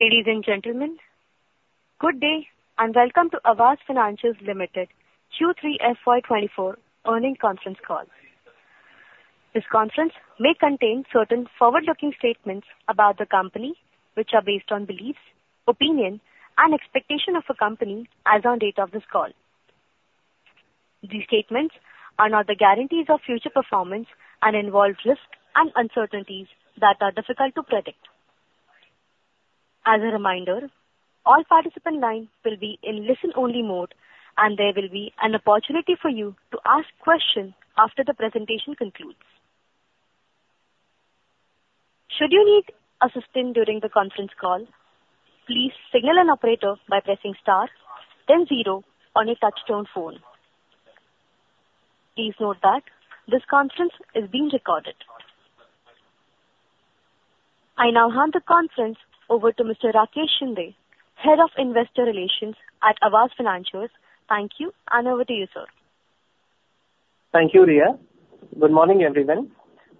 Ladies and gentlemen, good day, and welcome to Aavas Financiers Limited Q3 FY 2024 Earnings Conference Call. This conference may contain certain forward-looking statements about the company, which are based on beliefs, opinions, and expectations of the company as on date of this call. These statements are not the guarantees of future performance and involve risks and uncertainties that are difficult to predict. As a reminder, all participant lines will be in listen-only mode, and there will be an opportunity for you to ask questions after the presentation concludes. Should you need assistance during the conference call, please signal an operator by pressing star then zero on your touchtone phone. Please note that this conference is being recorded. I now hand the conference over to Mr. Rakesh Shinde, Head of Investor Relations at Aavas Financiers. Thank you, and over to you, sir. Thank you, Riya. Good morning, everyone.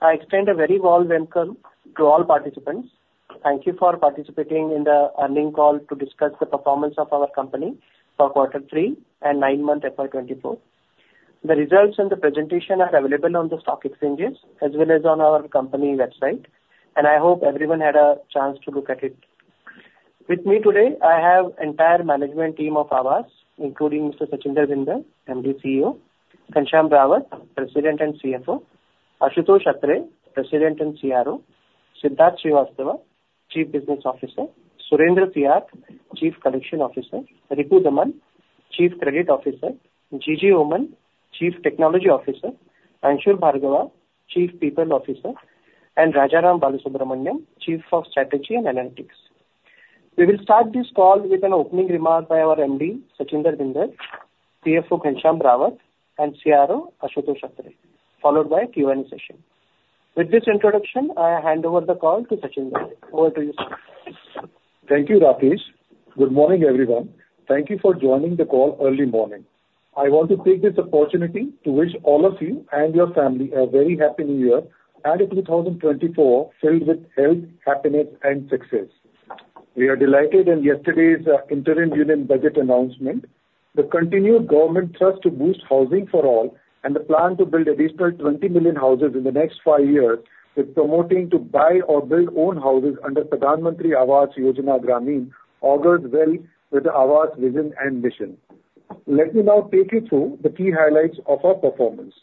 I extend a very warm welcome to all participants. Thank you for participating in the earnings call to discuss the performance of our company for quarter three and nine-month FY 2024. The results and the presentation are available on the stock exchanges as well as on our company website, and I hope everyone had a chance to look at it. With me today, I have entire management team of Aavas, including Mr. Sachinder Bhinder, MD CEO; Ghanshyam Rawat, President and CFO; Ashutosh Atre, President and CRO; Siddharth Srivastava, Chief Business Officer; Surendra Tyagi, Chief Collection Officer; Ripudaman, Chief Credit Officer; Jijy Oommen, Chief Technology Officer; Anshul Bhargava, Chief People Officer; and Rajaram Balasubramanian, Chief of Strategy and Analytics. We will start this call with an opening remark by our MD, Sachinder Bhinder, CFO, Ghanshyam Rawat, and CRO, Ashutosh Atre, followed by a Q&A session. With this introduction, I hand over the call to Sachinder Bhinder. Over to you, sir. Thank you, Rakesh. Good morning, everyone. Thank you for joining the call early morning. I want to take this opportunity to wish all of you and your family a very happy new year and a 2024 filled with health, happiness, and success. We are delighted in yesterday's interim union budget announcement. The continued government trust to boost housing for all and the plan to build additional 20 million houses in the next 5 years, with promoting to buy or build own houses under Pradhan Mantri Awas Yojana Gramin, augurs well with the Aavas vision and mission. Let me now take you through the key highlights of our performance.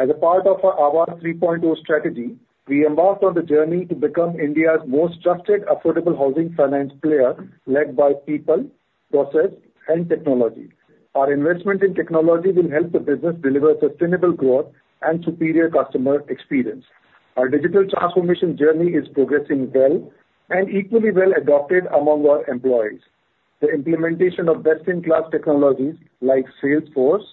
As a part of our Aavas 3.0 strategy, we embarked on the journey to become India's most trusted, affordable housing finance player, led by people, process, and technology. Our investment in technology will help the business deliver sustainable growth and superior customer experience. Our digital transformation journey is progressing well and equally well adopted among our employees. The implementation of best-in-class technologies like Salesforce,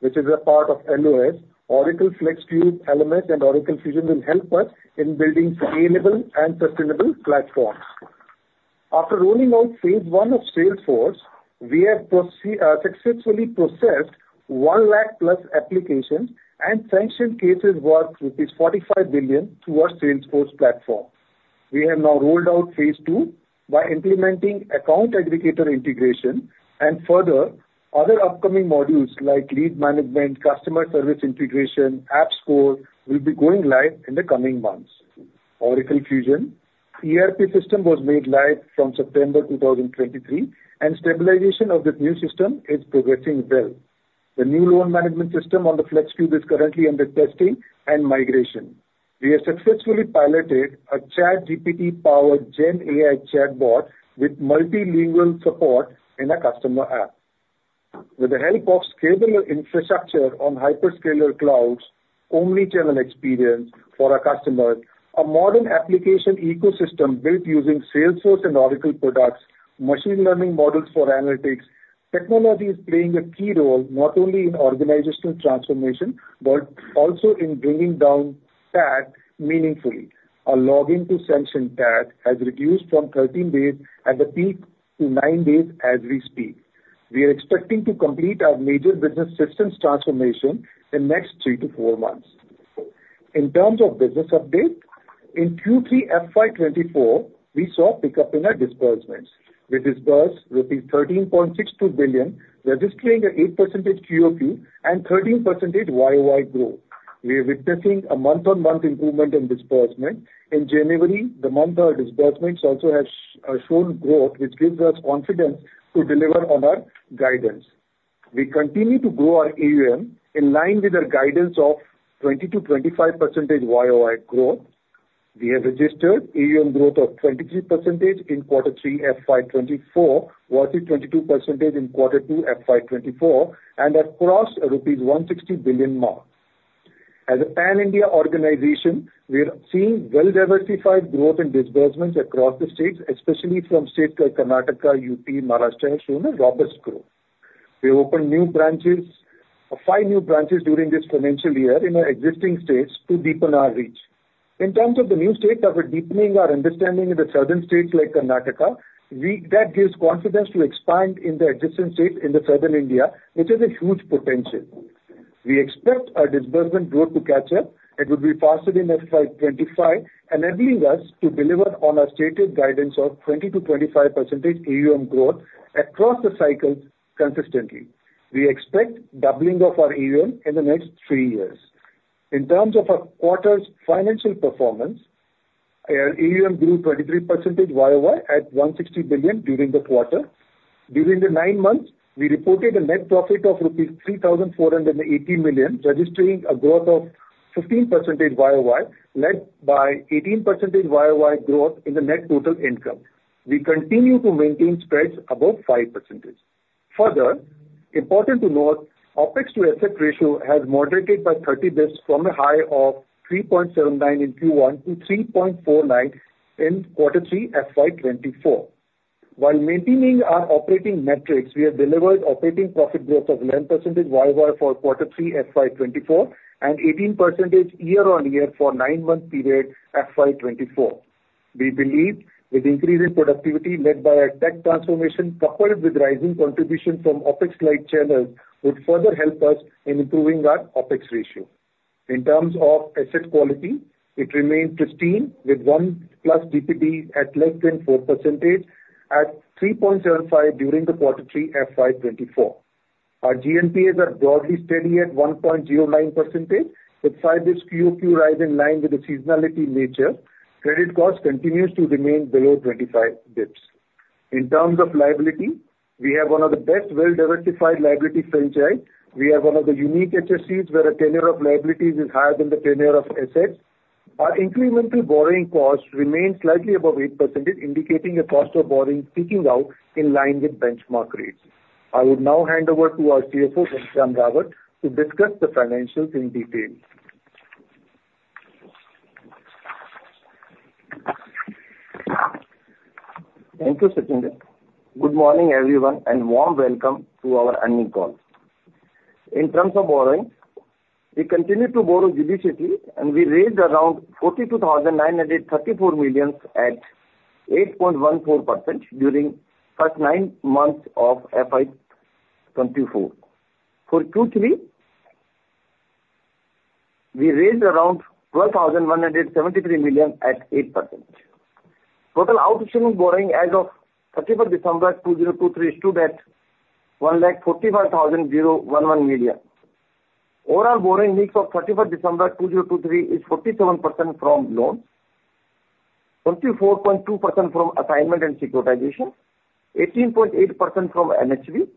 which is a part of LOS, Oracle Flexcube elements and Oracle Fusion will help us in building scalable and sustainable platforms. After rolling out phase one of Salesforce, we have successfully processed 100,000+ applications and sanctioned cases worth rupees 45 billion through our Salesforce platform. We have now rolled out phase two by implementing Account Aggregator integration and further, other upcoming modules like lead management, customer service integration, app score, will be going live in the coming months. Oracle Fusion, ERP system was made live from September 2023, and stabilization of this new system is progressing well. The new loan management system on the Flexcube is currently under testing and migration. We have successfully piloted a ChatGPT-powered GenAI chatbot with multilingual support in our customer app. With the help of scalable infrastructure on hyperscaler clouds, omni-channel experience for our customers, a modern application ecosystem built using Salesforce and Oracle products, machine learning models for analytics, technology is playing a key role not only in organizational transformation, but also in bringing down TAT meaningfully. Our login to sanction TAT has reduced from 13 days at the peak to 9 days as we speak. We are expecting to complete our major business systems transformation in next 3-4 months. In terms of business update, in Q3 FY 2024, we saw pickup in our disbursements. We disbursed rupees 13.62 billion, registering 8% QoQ and 13% YoY growth. We are witnessing a month-on-month improvement in disbursement. In January, the month our disbursements also has, shown growth, which gives us confidence to deliver on our guidance. We continue to grow our AUM in line with our guidance of 20-25% YoY growth. We have registered AUM growth of 23% in quarter three FY 2024, versus 22% in quarter two FY 2024, and have crossed an rupees 160 billion mark. As a pan-India organization, we are seeing well-diversified growth in disbursements across the states, especially from states like Karnataka, UP, Maharashtra, have shown a robust growth. We opened new branches, five new branches during this financial year in our existing states to deepen our reach. In terms of the new states, that we're deepening our understanding in the southern states like Karnataka. That gives confidence to expand in the existing states in the southern India, which has a huge potential. We expect our disbursement growth to catch up and will be faster in FY 2025, enabling us to deliver on our stated guidance of 20%-25% AUM growth across the cycle consistently. We expect doubling of our AUM in the next three years. In terms of our quarter's financial performance, our AUM grew 23% YoY at INR 160 billion during the quarter. During the nine months, we reported a net profit of INR 3,480 million, registering a growth of 15% YoY, led by 18% YoY growth in the net total income. We continue to maintain spreads above 5%. Further, important to note, OpEx to asset ratio has moderated by 30 basis from a high of 3.79 in Q1 to 3.49 in quarter three, FY 2024. While maintaining our operating metrics, we have delivered operating profit growth of 11% YoY for quarter three, FY 2024, and 18% year-on-year for nine-month period, FY 2024. We believe with increased productivity led by our tech transformation, coupled with rising contribution from OpEx light channels, would further help us in improving our OpEx ratio. In terms of asset quality, it remains pristine, with 1+ DPDs at less than 4% at 3.75 during the quarter three, FY 2024. Our GNPA are broadly steady at 1.09%, with 5 basis QoQ rise in line with the seasonality nature. Credit cost continues to remain below 25 basis. In terms of liability, we have one of the best well-diversified liability franchise. We have one of the unique HFCs, where the tenure of liabilities is higher than the tenure of assets. Our incremental borrowing cost remains slightly above 8%, indicating a cost of borrowing peaking out in line with benchmark rates. I will now hand over to our CFO, Ghanshyam Rawat, to discuss the financials in detail. Thank you, Sachinder. Good morning, everyone, and warm welcome to our earnings call. In terms of borrowing, we continue to borrow judiciously, and we raised around 42,934 million at 8.14% during first nine months of FY 2024. For Q3, we raised around 12,173 million at 8%. Total outstanding borrowing as of December 31, 2023 stood at INR 145,011 million. Overall borrowing mix of December 31, 2023 is 47% from loans, 44.2% from assignment and securitization, 18.8% from NHB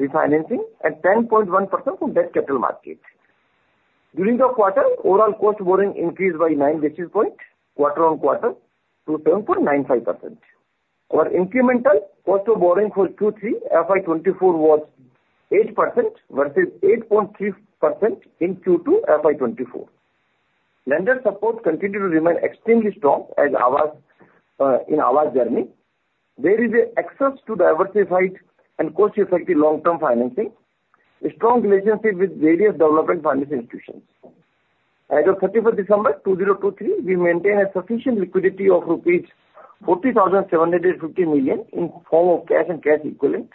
refinancing, and 10.1% from debt capital market. During the quarter, overall cost of borrowing increased by nine basis point, quarter-on-quarter to 10.95%. Our incremental cost of borrowing for Q3, FY 2024 was 8% versus 8.3% in Q2, FY 2024. Lender support continued to remain extremely strong as our in our journey. There is an access to diversified and cost-effective long-term financing, a strong relationship with various development finance institutions. As of 31 December 2023, we maintain a sufficient liquidity of rupees 40,750 million in form of cash and cash equivalent,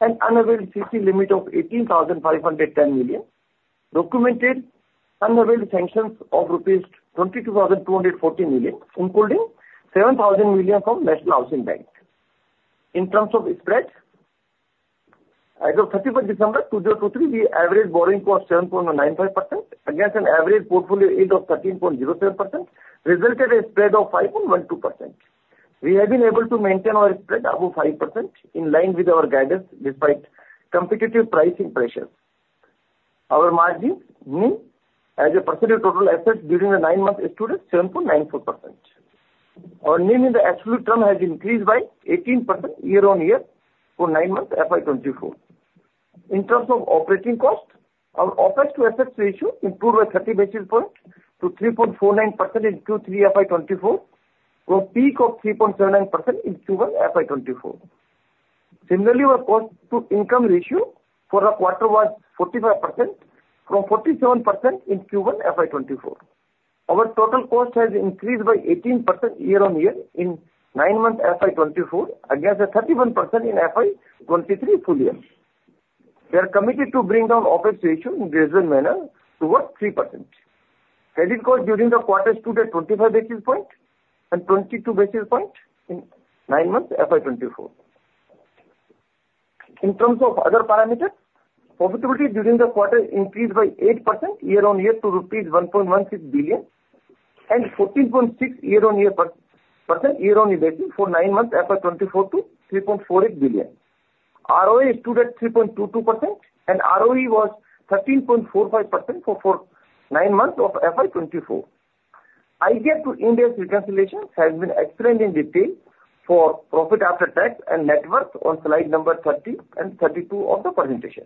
and unavailable CC limit of 18,510 million, documented unavailable sanctions of rupees 22,240 million, including 7,000 million from National Housing Bank. In terms of spreads, as of 31 December 2023, the average borrowing cost 7.95% against an average portfolio yield of 13.07%, resulted in a spread of 5.12%. We have been able to maintain our spread above 5% in line with our guidance, despite competitive pricing pressures. Our margin mix as a percentage of total assets during the nine months stood at 7.94%. Our mix in the absolute term has increased by 18% year-on-year for nine months, FY 2024. In terms of operating cost, our OpEx to assets ratio improved by 30 basis points to 3.49% in Q3 FY 2024, from peak of 3.79% in Q1 FY 2024. Similarly, our cost to income ratio for the quarter was 45% from 47% in Q1 FY 2024. Our total cost has increased by 18% year-on-year in nine months FY 2024, against a 31% in FY 2023 full year. We are committed to bring down OpEx ratio in a gradual manner towards 3%. Credit cost during the quarter stood at 25 basis points and 22 basis points in nine months, FY 2024. In terms of other parameters, profitability during the quarter increased by 8% year-on-year to rupees 1.16 billion and 14.6% year-on-year basis for nine months FY 2024 to 3.48 billion. ROA stood at 3.22% and ROE was 13.45% for nine months of FY 2024. IGAAP to Ind AS reconciliation has been explained in detail for profit after tax and net worth on slide number 30 and 32 of the presentation.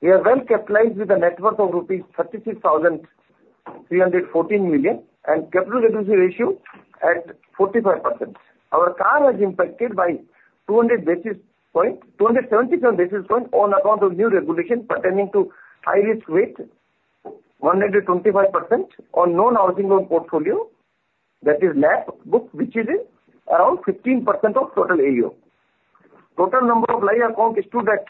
We are well-capitalized with a net worth of rupees 36,314 million and capital adequacy ratio at 45%. Our CAR was impacted by 200 basis points, 277 basis points on account of new regulation pertaining to high-risk weight, 125% on Loan Against Property portfolio, that is LAP book, which is around 15% of total AUM. Total number of live account is stood at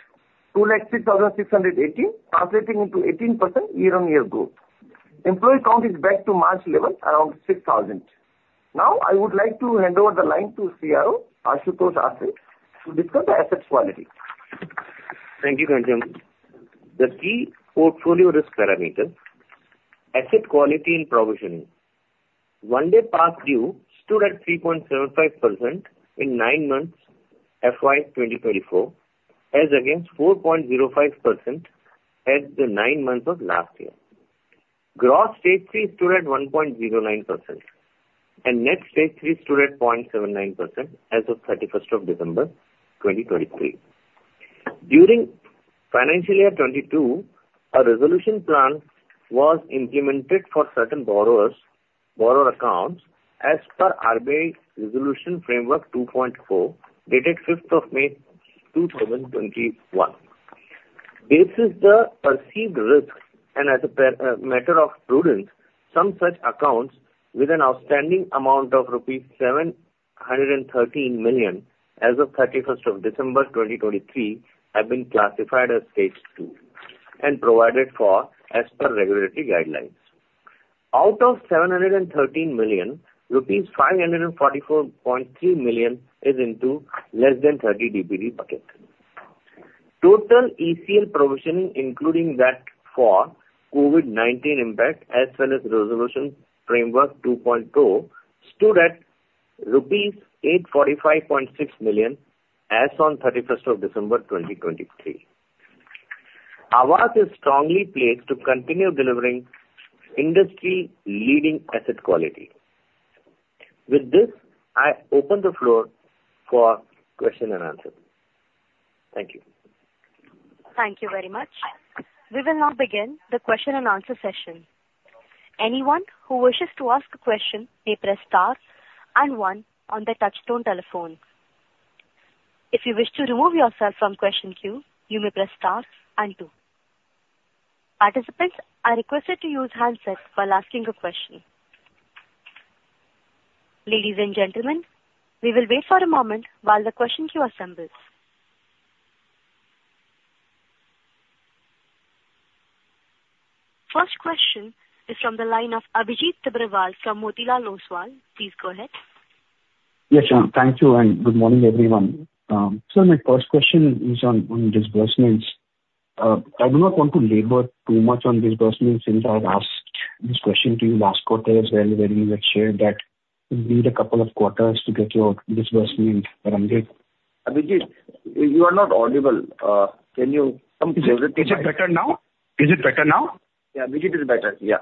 206,618, translating into 18% year-on-year growth. Employee count is back to March level, around 6,000. Now, I would like to hand over the line to CRO, Ashutosh Atre, to discuss the asset quality. Thank you, Ghanshyam. The key portfolio risk parameters, asset quality, and provision. One day past due stood at 3.75% in nine months, FY 2024, as against 4.05% at the nine months of last year. Gross Stage 3 stood at 1.09%, and Net Stage 3 stood at 0.79% as of December 31, 2023. During financial year 2022, a resolution plan was implemented for certain borrowers, borrower accounts, as per RBI's Resolution Framework 2.4, dated May 5, 2021. This is the perceived risk, and as a matter of prudence, some such accounts with an outstanding amount of rupees 713 million as of December 31, 2023, have been classified as Stage 2, and provided for as per regulatory guidelines. Out of 713 million, rupees 544.3 million is into less than 30 DPD bucket. Total ECL provisioning, including that for COVID-19 impact, as well as Resolution Framework 2.2, stood at rupees 845.6 million as on 31st of December, 2023. Aavas is strongly placed to continue delivering industry-leading asset quality. With this, I open the floor for question and answer. Thank you. Thank you very much. We will now begin the question and answer session. Anyone who wishes to ask a question may press star and one on their touchtone telephone. If you wish to remove yourself from question queue, you may press star and two. Participants are requested to use handsets while asking a question. Ladies and gentlemen, we will wait for a moment while the question queue assembles. First question is from the line of Abhijit Tibrewal from Motilal Oswal. Please go ahead. Yes, thank you, and good morning, everyone. So my first question is on, on disbursements. I do not want to labor too much on disbursements, since I've asked this question to you last quarter as well, where you had shared that you need a couple of quarters to get your disbursement run rate. Abhijit, you are not audible. Can you come closer? Is it, is it better now? Is it better now? Yeah. Abhijit, it is better. Yeah.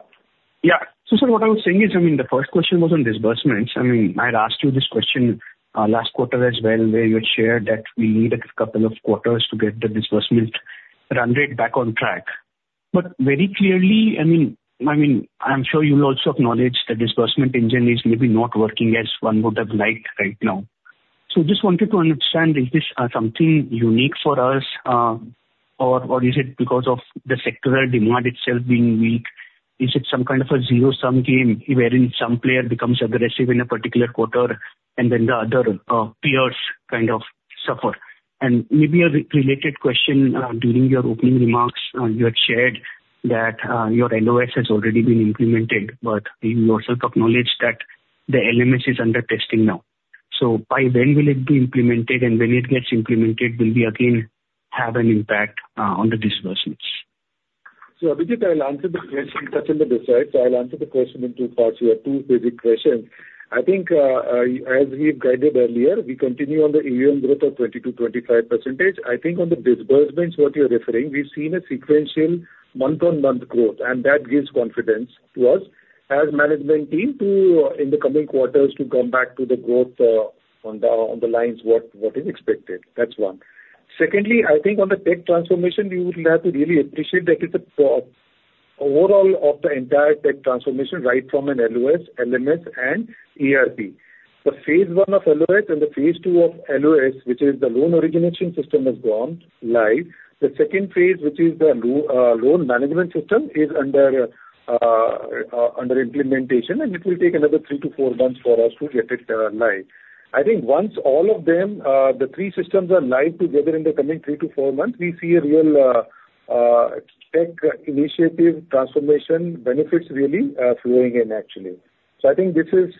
Yeah. So, sir, what I was saying is, I mean, the first question was on disbursements. I mean, I'd asked you this question last quarter as well, where you had shared that we need a couple of quarters to get the disbursement run rate back on track. But very clearly, I mean, I mean, I'm sure you'll also acknowledge the disbursement engine is maybe not working as one would have liked right now. So just wanted to understand, is this something unique for us, or is it because of the sectoral demand itself being weak? Is it some kind of a zero-sum game wherein some player becomes aggressive in a particular quarter and then the other peers kind of suffer? Maybe a related question, during your opening remarks, you had shared that your LOS has already been implemented, but you also acknowledge that the LMS is under testing now. So by when will it be implemented, and when it gets implemented, will we again have an impact on the disbursements? So, Abhijit, I'll answer the question, touch on the besides. I'll answer the question in two parts here, two-phased question. I think, as we've guided earlier, we continue on the AUM growth of 20-25%. I think on the disbursements, what you're referring, we've seen a sequential month-on-month growth, and that gives confidence to us as management team to, in the coming quarters, to come back to the growth, on the lines what is expected. That's one. Secondly, I think on the tech transformation, you would have to really appreciate that it's a pro-overall of the entire tech transformation, right from an LOS, LMS, and ERP. The phase one of LOS and the phase two of LOS, which is the Loan Origination System, has gone live. The second phase, which is the Loan Management System, is under implementation, and it will take another 3-4 months for us to get it live. I think once all of them, the 3 systems are live together in the coming 3-4 months, we see a real tech initiative transformation benefits really flowing in actually. So I think this is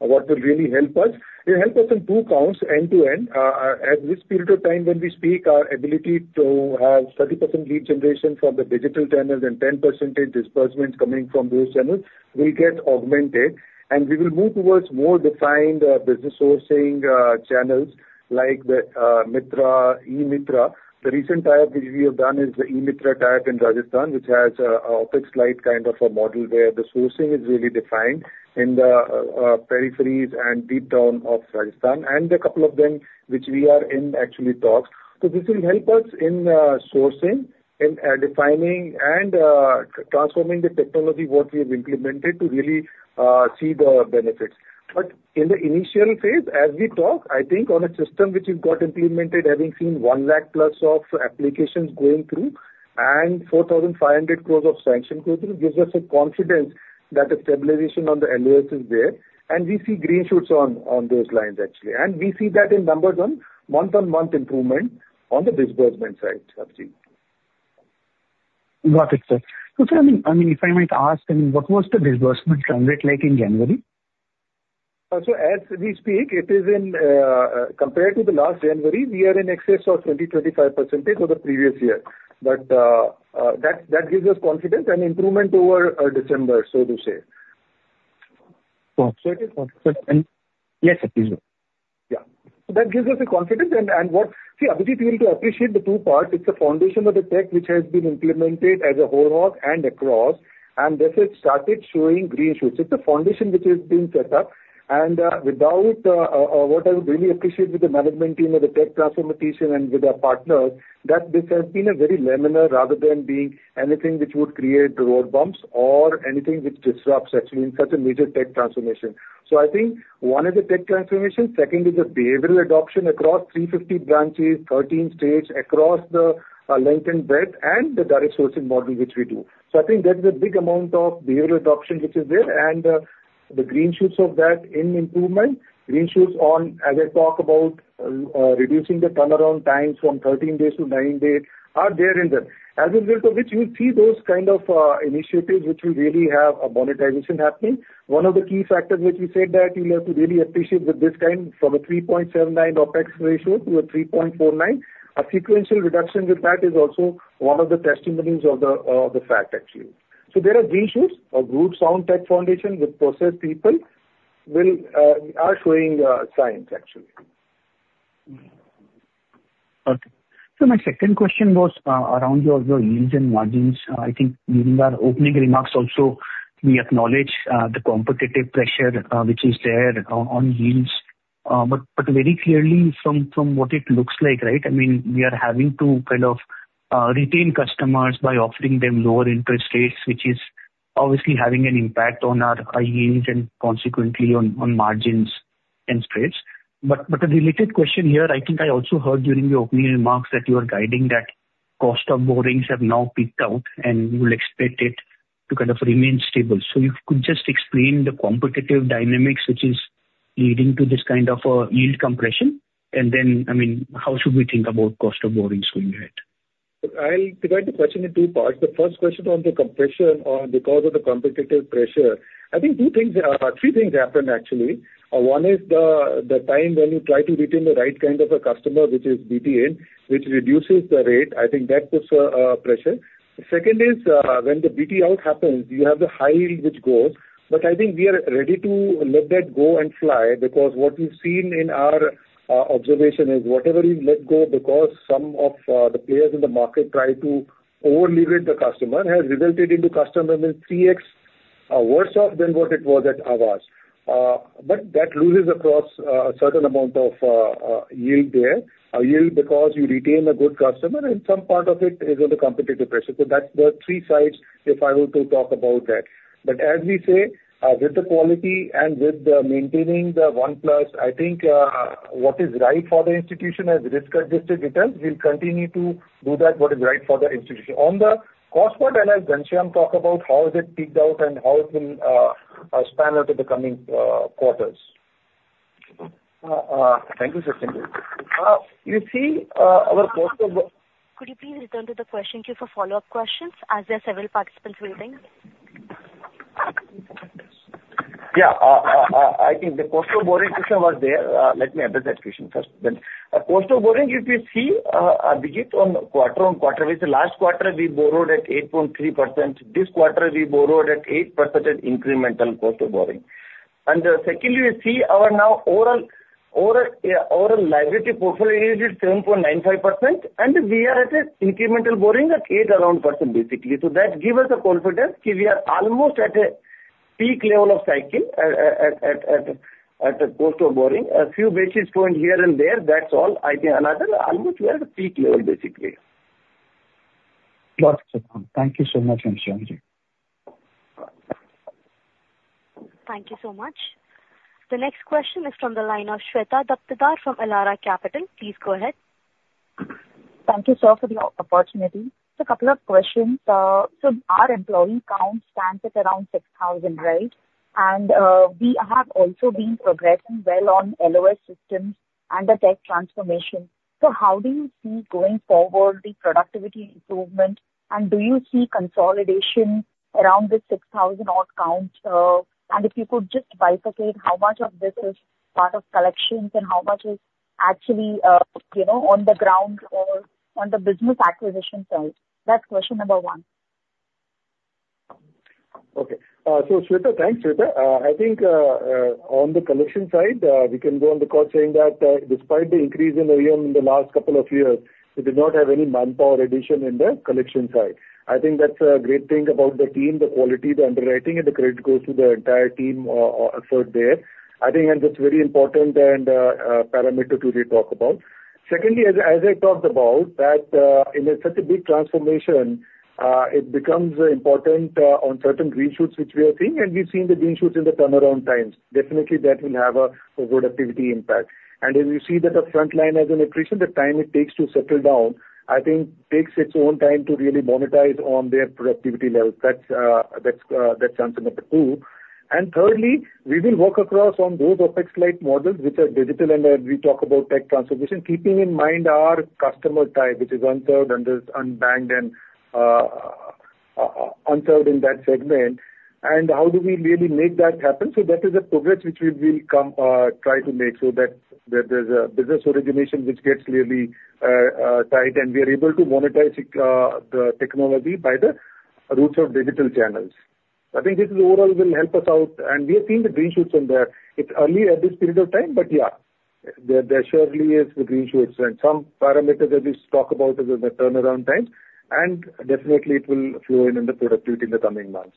what will really help us. It'll help us on 2 counts, end-to-end. At this period of time, when we speak, our ability to have 30% lead generation from the digital channels and 10% disbursements coming from those channels will get augmented, and we will move towards more defined business sourcing channels like the Mitra, eMitra. The recent tie-up which we have done is the eMitra tie-up in Rajasthan, which has a fixed slide kind of a model, where the sourcing is really defined in the peripheries and deep down of Rajasthan, and a couple of them which we are in actually talks. So this will help us in sourcing, in defining and transforming the technology, what we have implemented, to really see the benefits. But in the initial phase, as we talk, I think on a system which you've got implemented, having seen 100,000+ applications going through and 4,500 crore of sanction going through, gives us a confidence that the stabilization on the LOS is there, and we see green shoots on those lines, actually. And we see that in numbers on month-on-month improvement on the disbursement side, Abhijit. Got it, sir. So sir, I mean, I mean, if I might ask, I mean, what was the disbursement trend rate like in January? So as we speak, it is in, compared to last January, we are in excess of 20-25% of the previous year. But, that gives us confidence and improvement over, December, so to say. So it is confident, and yes, please go. Yeah. That gives us the confidence and, and what-- see, Abhijit, you will to appreciate the two parts. It's a foundation of the tech which has been implemented as a whole hog and across, and this has started showing green shoots. It's a foundation which has been set up, and, without, what I really appreciate with the management team or the tech transformation and with our partners, that this has been a very laminar, rather than being anything which would create road bumps or anything which disrupts actually in such a major tech transformation. So I think one is the tech transformation, second is the behavioral adoption across 350 branches, 13 states, across the, length and breadth, and the direct sourcing model, which we do. So I think that is a big amount of behavioral adoption, which is there, and, the green shoots of that in improvement, green shoots, as I talk about, reducing the turnaround times from 13 days to 9 days are there. As and when to which you'll see those kind of initiatives which will really have a monetization happening. One of the key factors which we said that you'll have to really appreciate with this time, from a 3.79 OpEx ratio to a 3.49. A sequential reduction with that is also one of the testimonies of the, the fact, actually. So there are green shoots, a good, sound tech foundation with process people will are showing signs, actually. Okay. So my second question was around your yields and margins. I think during our opening remarks, also, we acknowledge the competitive pressure, which is there on yields. But very clearly from what it looks like, right, I mean, we are having to kind of retain customers by offering them lower interest rates, which is obviously having an impact on our high yields and consequently on margins and spreads. But a related question here, I think I also heard during your opening remarks that you are guiding that cost of borrowings have now peaked out, and you will expect it to kind of remain stable. So if you could just explain the competitive dynamics, which is leading to this kind of yield compression. And then, I mean, how should we think about cost of borrowings going ahead? I'll divide the question in two parts. The first question on the compression because of the competitive pressure. I think two things are three things happened, actually. One is the time when you try to retain the right kind of a customer, which is BTN, which reduces the rate. I think that puts pressure. The second is when the BT out happens, you have the high yield which goes. But I think we are ready to let that go and fly, because what we've seen in our observation is, whatever we let go because some of the players in the market try to overleverage the customer, has resulted into customers being 3x worse off than what it was at Aavas. But that loses across a certain amount of yield there. A yield because you retain a good customer, and some part of it is on the competitive pressure. So that's the three sides, if I were to talk about that. But as we say, with the quality and with the maintaining the 1+, what is right for the institution as risk-adjusted returns, we'll continue to do that, what is right for the institution. On the cost part, I'll let Ghanshyam talk about how is it peaked out and how it will span out to the coming quarters. Thank you, Sachin. Could you please return to the question queue for follow-up questions, as there are several participants waiting? Yeah. I think the cost of borrowing question was there. Let me address that question first then. Cost of borrowing, if you see, Abhijit, on quarter-on-quarter, with the last quarter, we borrowed at 8.3%. This quarter, we borrowed at 8% at incremental cost of borrowing. And, secondly, we see our now overall liability portfolio is at 10.95%, and we are at a incremental borrowing at around 8%, basically. So that give us the confidence that we are almost at a peak level of cycling at a cost of borrowing. A few basis points here and there, that's all. I think another, almost we are at a peak level, basically. Got it, Sachin. Thank you so much, Ghanshyam. Thank you so much. The next question is from the line of Shweta Daptardar from Elara Capital. Please go ahead. Thank you, sir, for the opportunity. Just a couple of questions. So our employee count stands at around 6,000, right? And we have also been progressing well on LOS systems and the tech transformation. So how do you see going forward, the productivity improvement, and do you see consolidation around the 6,000 odd count? And if you could just bifurcate how much of this is part of collections and how much is actually, you know, on the ground or on the business acquisition side? That's question number one. Okay. So Shweta, thanks, Shweta. I think on the collection side, we can go on the call saying that, despite the increase in AUM in the last couple of years, we did not have any manpower addition in the collection side. I think that's a great thing about the team, the quality, the underwriting, and the credit goes to the entire team, effort there. I think that's very important and, parameter to really talk about. Secondly, as I talked about, that, in a such a big transformation, it becomes important on certain green shoots, which we are seeing, and we've seen the green shoots in the turnaround times. Definitely, that will have a good activity impact. As you see that the frontline has an attrition, the time it takes to settle down, I think takes its own time to really monetize on their productivity level. That's, that's, that's answer number two. And thirdly, we will work across on those OpEx-like models which are digital, and, we talk about tech transformation, keeping in mind our customer type, which is one-third, and there's unbanked and unserved in that segment, and how do we really make that happen? So that is a progress which we will come, try to make so that, there, there's a business origination which gets really, tight, and we are able to monetize the, the technology by the routes of digital channels. I think this overall will help us out, and we have seen the green shoots in there. It's early at this period of time, but yeah, there, there surely is the green shoots. And some parameters that we talk about is the turnaround time, and definitely it will flow in, in the productivity in the coming months.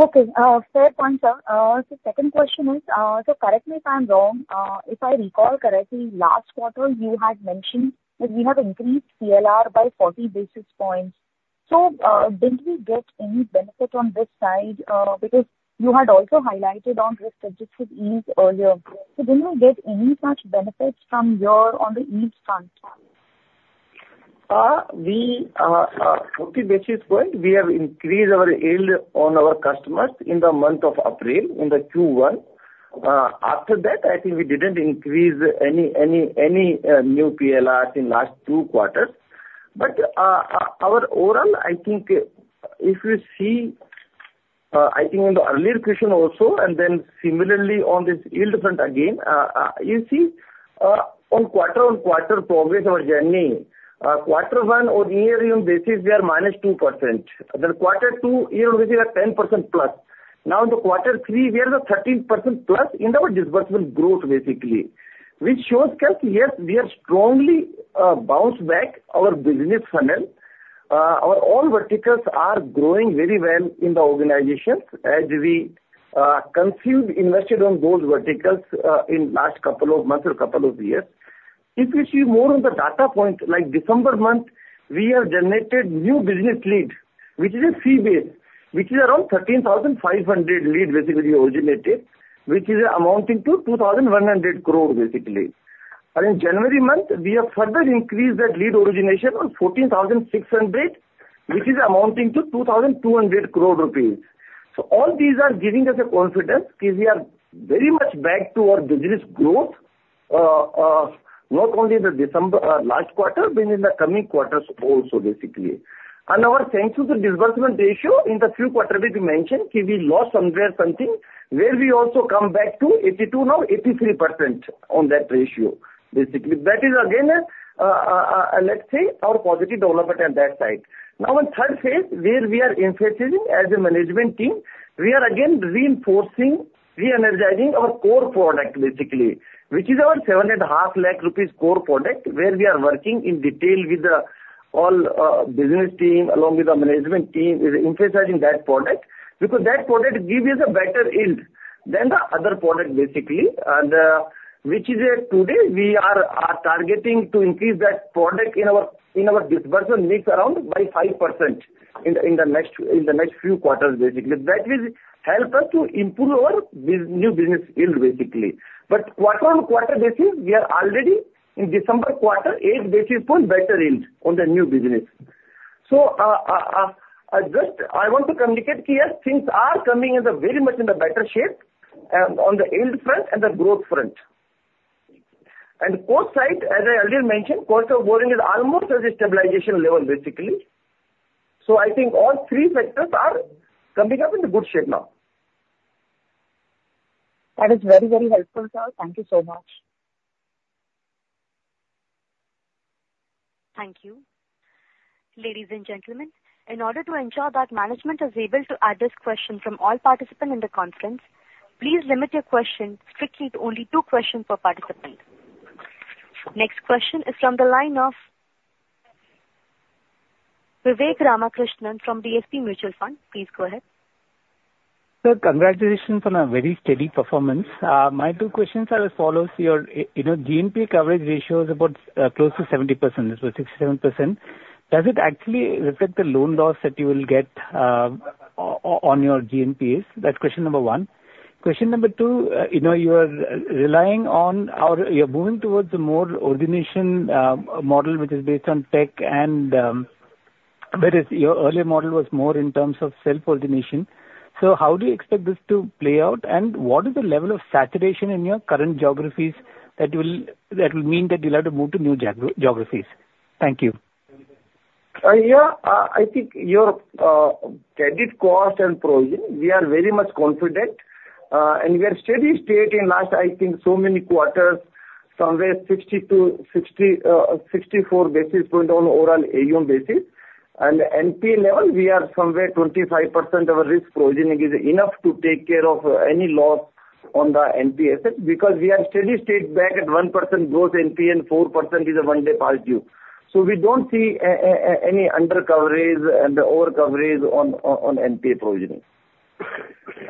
Okay, fair point, sir. So second question is, so correct me if I'm wrong, if I recall correctly, last quarter you had mentioned that you have increased PLR by 40 basis points. So, didn't we get any benefit on this side? Because you had also highlighted on risk-adjusted ease earlier. So did you get any such benefits from your, on the ease front? We, 40 basis point, we have increased our yield on our customers in the month of April, in Q1. After that, I think we didn't increase any new PLRs in last two quarters. Our overall, I think if you see, I think in the earlier question also, and then similarly on this yield front again on quarter-over-quarter progress, our journey, quarter one on a year-over-year basis, we are -2%. Quarter two, year-over-year, we are 10%+. Now, in quarter three, we are 13%+ in our disbursement growth, basically, which shows that, yes, we are strongly bounced back our business funnel. Our all verticals are growing very well in the organization as we consumed, invested on those verticals in last couple of months or couple of years. If you see more on the data points, like December month, we have generated new business leads, which is a fee base, which is around 13,500 lead basically originated, which is amounting to 2,100 crore, basically. In January month, we have further increased that lead origination on 14,600, which is amounting to 2,200 crore rupees. So all these are giving us the confidence that we are very much back to our business growth, not only in the December last quarter, but in the coming quarters also, basically. Our thanks to the disbursement ratio, in the third quarter we mentioned, that we lost somewhere something, where we also come back to 82, now 83% on that ratio, basically. That is again, let's say, our positive development on that side. Now in third phase, where we are emphasizing as a management team, we are again reinforcing, re-energizing our core product, basically, which is our 7.5 lakh rupees core product, where we are working in detail with the all business team, along with the management team, is emphasizing that product. Because that product gives us a better yield than the other product, basically, and which is there today, we are targeting to increase that product in our disbursement mix around by 5% in the next few quarters, basically. That will help us to improve our new business yield, basically. But quarter-on-quarter basis, we are already in December quarter, eight basis points better yield on the new business. So, I just, I want to communicate here, things are coming in the very much in the better shape, on the yield front and the growth front. And core side, as I earlier mentioned, core side borrowing is almost at a stabilization level, basically. So I think all three factors are coming up in the good shape now. That is very, very helpful, sir. Thank you so much. Thank you. Ladies and gentlemen, in order to ensure that management is able to address questions from all participants in the conference, please limit your questions strictly to only two questions per participant. Next question is from the line of Vivek Ramakrishnan from DSP Mutual Fund. Please go ahead. Sir, congratulations on a very steady performance. My two questions are as follows: Your GNPA coverage ratio is about close to 70%, so 67%. Does it actually reflect the loan loss that you will get on your GNPA? That's question number one. Question number two, you know, you are relying on or you're moving towards a more origination model, which is based on tech, and whereas your earlier model was more in terms of self-origination. So how do you expect this to play out, and what is the level of saturation in your current geographies that will mean that you'll have to move to new geographies? Thank you. Yeah. I think your credit cost and provision, we are very much confident, and we are steady state in last, I think, so many quarters, somewhere 60-64 basis points on overall AUM basis. And NPA level, we are somewhere 25% our risk provisioning is enough to take care of any loss on the NPA asset, because we are steady state back at 1% gross NPA and 4% is a 1-day past due. So we don't see any undercoverages and overcoverages on NPA provisioning.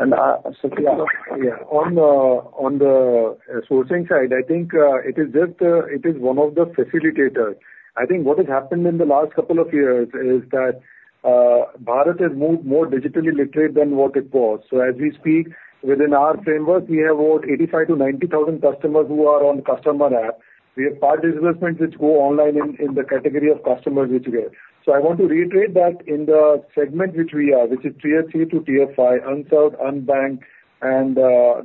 And yeah, on the sourcing side, I think it is just it is one of the facilitators. I think what has happened in the last couple of years is that Bharat has moved more digitally literate than what it was. So as we speak, within our framework, we have about 85,000-90,000 customers who are on customer app. We have part disbursements which go online in, in the category of customers which we get. So I want to reiterate that in the segment which we are, which is Tier 3-Tier 5, unserved, unbanked, and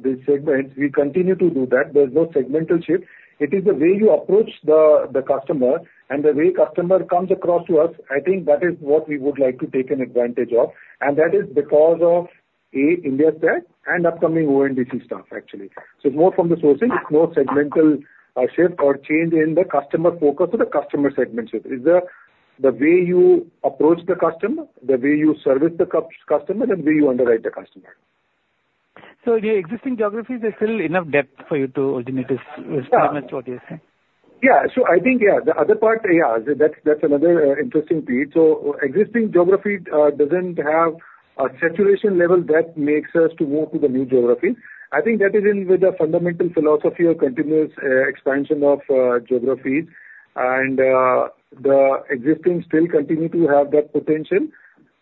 this segment, we continue to do that. There's no segmental shift. It is the way you approach the, the customer and the way customer comes across to us, I think that is what we would like to take an advantage of, and that is because of, A, India's tech and upcoming ONDC stuff, actually. So it's more from the sourcing, it's more segmental shift or change in the customer focus or the customer segment shift. It's the way you approach the customer, the way you service the customer, the way you underwrite the customer. The existing geographies, there's still enough depth for you to originate this pretty much what you're saying? Yeah. So I think the other part, that's another interesting piece. So existing geography doesn't have a saturation level that makes us to go to the new geography. I think that is in with the fundamental philosophy of continuous expansion of geographies, and the existing still continue to have that potential.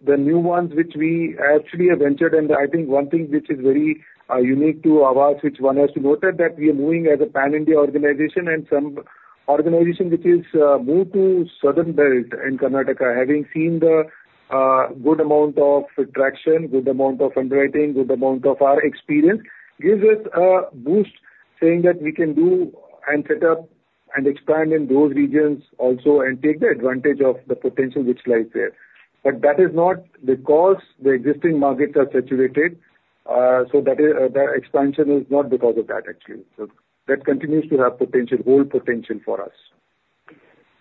The new ones which we actually have entered, and I think one thing which is very unique to our switch, one has to note that we are moving as a pan-India organization and some organization which is moved to southern belt in Karnataka. Having seen the good amount of traction, good amount of underwriting, good amount of our experience, gives us a boost, saying that we can do and set up and expand in those regions also and take the advantage of the potential which lies there. That is not because the existing markets are saturated, so that is, that expansion is not because of that, actually. That continues to have potential, whole potential for us.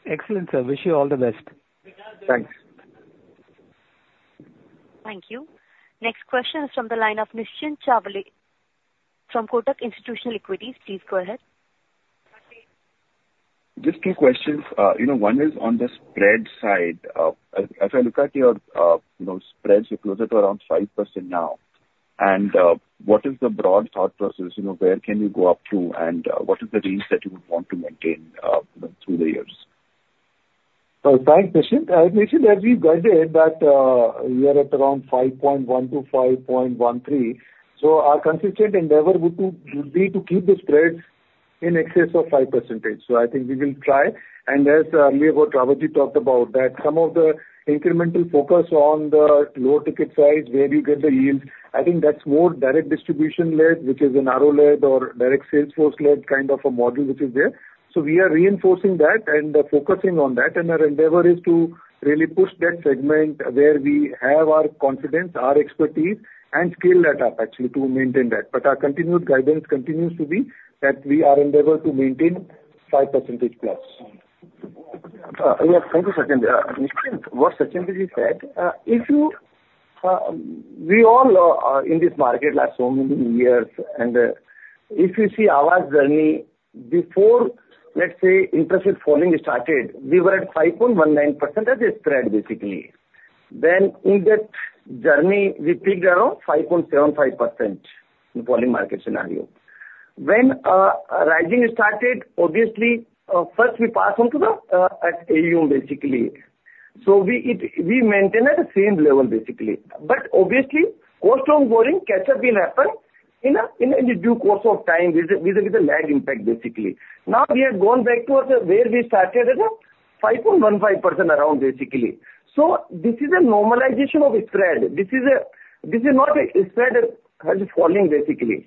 Excellent, sir. Wish you all the best. Thanks. Thank you. Next question is from the line of Nischint Chawathe from Kotak Institutional Equities. Please go ahead. Just two questions. You know, one is on the spread side. As, as I look at your, you know, spreads, you're closer to around 5% now, and, what is the broad thought process? You know, where can you go up to and, what is the range that you would want to maintain, through the years? Thanks, Nishant. Nishant, as we guided that, we are at around 5.1%-5.13%, so our consistent endeavor would be to keep the spreads in excess of 5%. So I think we will try. And as earlier what Rawatji talked about, that some of the incremental focus on the lower ticket size, where you get the yield, I think that's more direct distribution led, which is an RRO-led or direct salesforce-led kind of a model which is there. So we are reinforcing that and focusing on that, and our endeavor is to really push that segment where we have our confidence, our expertise, and scale that up actually to maintain that. But our continued guidance continues to be that we are endeavor to maintain 5%+. Yeah, thank you, Sachin. Nishant, what Sachin just said, if you, we all are in this market last so many years, and if you see our journey before, let's say, interest rate falling started, we were at 5.19% as a spread, basically. Then in that journey, we peaked around 5.75% in falling market scenario. When rising started, obviously, first we pass on to the at AUM, basically. So we maintain at the same level, basically. But obviously, cost on borrowing catch up will happen in a, in the due course of time with the, with the, with the lag impact, basically. Now, we have gone back towards where we started at a 5.15% around, basically. So this is a normalization of spread. This is not a spread as falling, basically.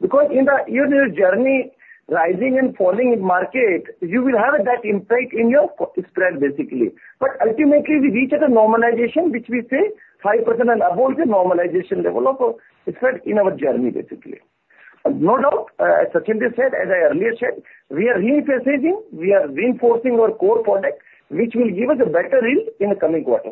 Because in the journey, rising and falling in market, you will have that impact in your spread, basically. But ultimately, we reach at a normalization, which we say 5% and above the normalization level of spread in our journey, basically. No doubt, as Sachin just said, as I earlier said, we are repricing, we are reinforcing our core product, which will give us a better yield in the coming quarter.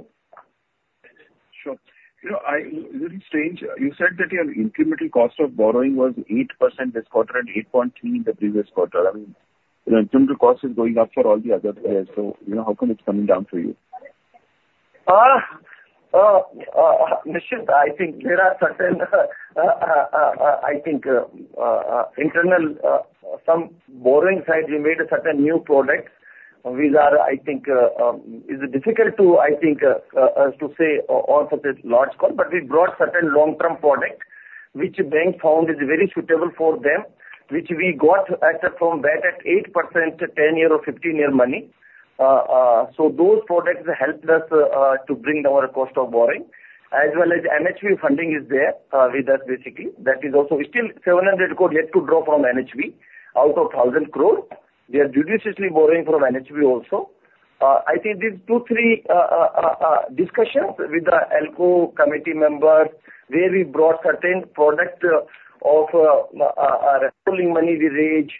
Sure. You know, it's really strange. You said that your incremental cost of borrowing was 8% this quarter and 8.3% in the previous quarter. I mean, you know, incremental cost is going up for all the other players, so, you know, how come it's coming down for you? Nishant, I think there are certain, I think, internal, some borrowing side, we made certain new products which are, I think, is difficult to, I think, to say off of this large call, but we brought certain long-term product which bank found is very suitable for them, which we got at a, from that at 8% to 10-year or 15-year money. So those products helped us, to bring down our cost of borrowing, as well as NHB funding is there, with us, basically. That is also still 700 crore yet to draw from NHB out of 1,000 crore. We are judiciously borrowing from NHB also. I think these 2-3 discussions with the ALCO committee members, where we brought certain product of pulling money with age,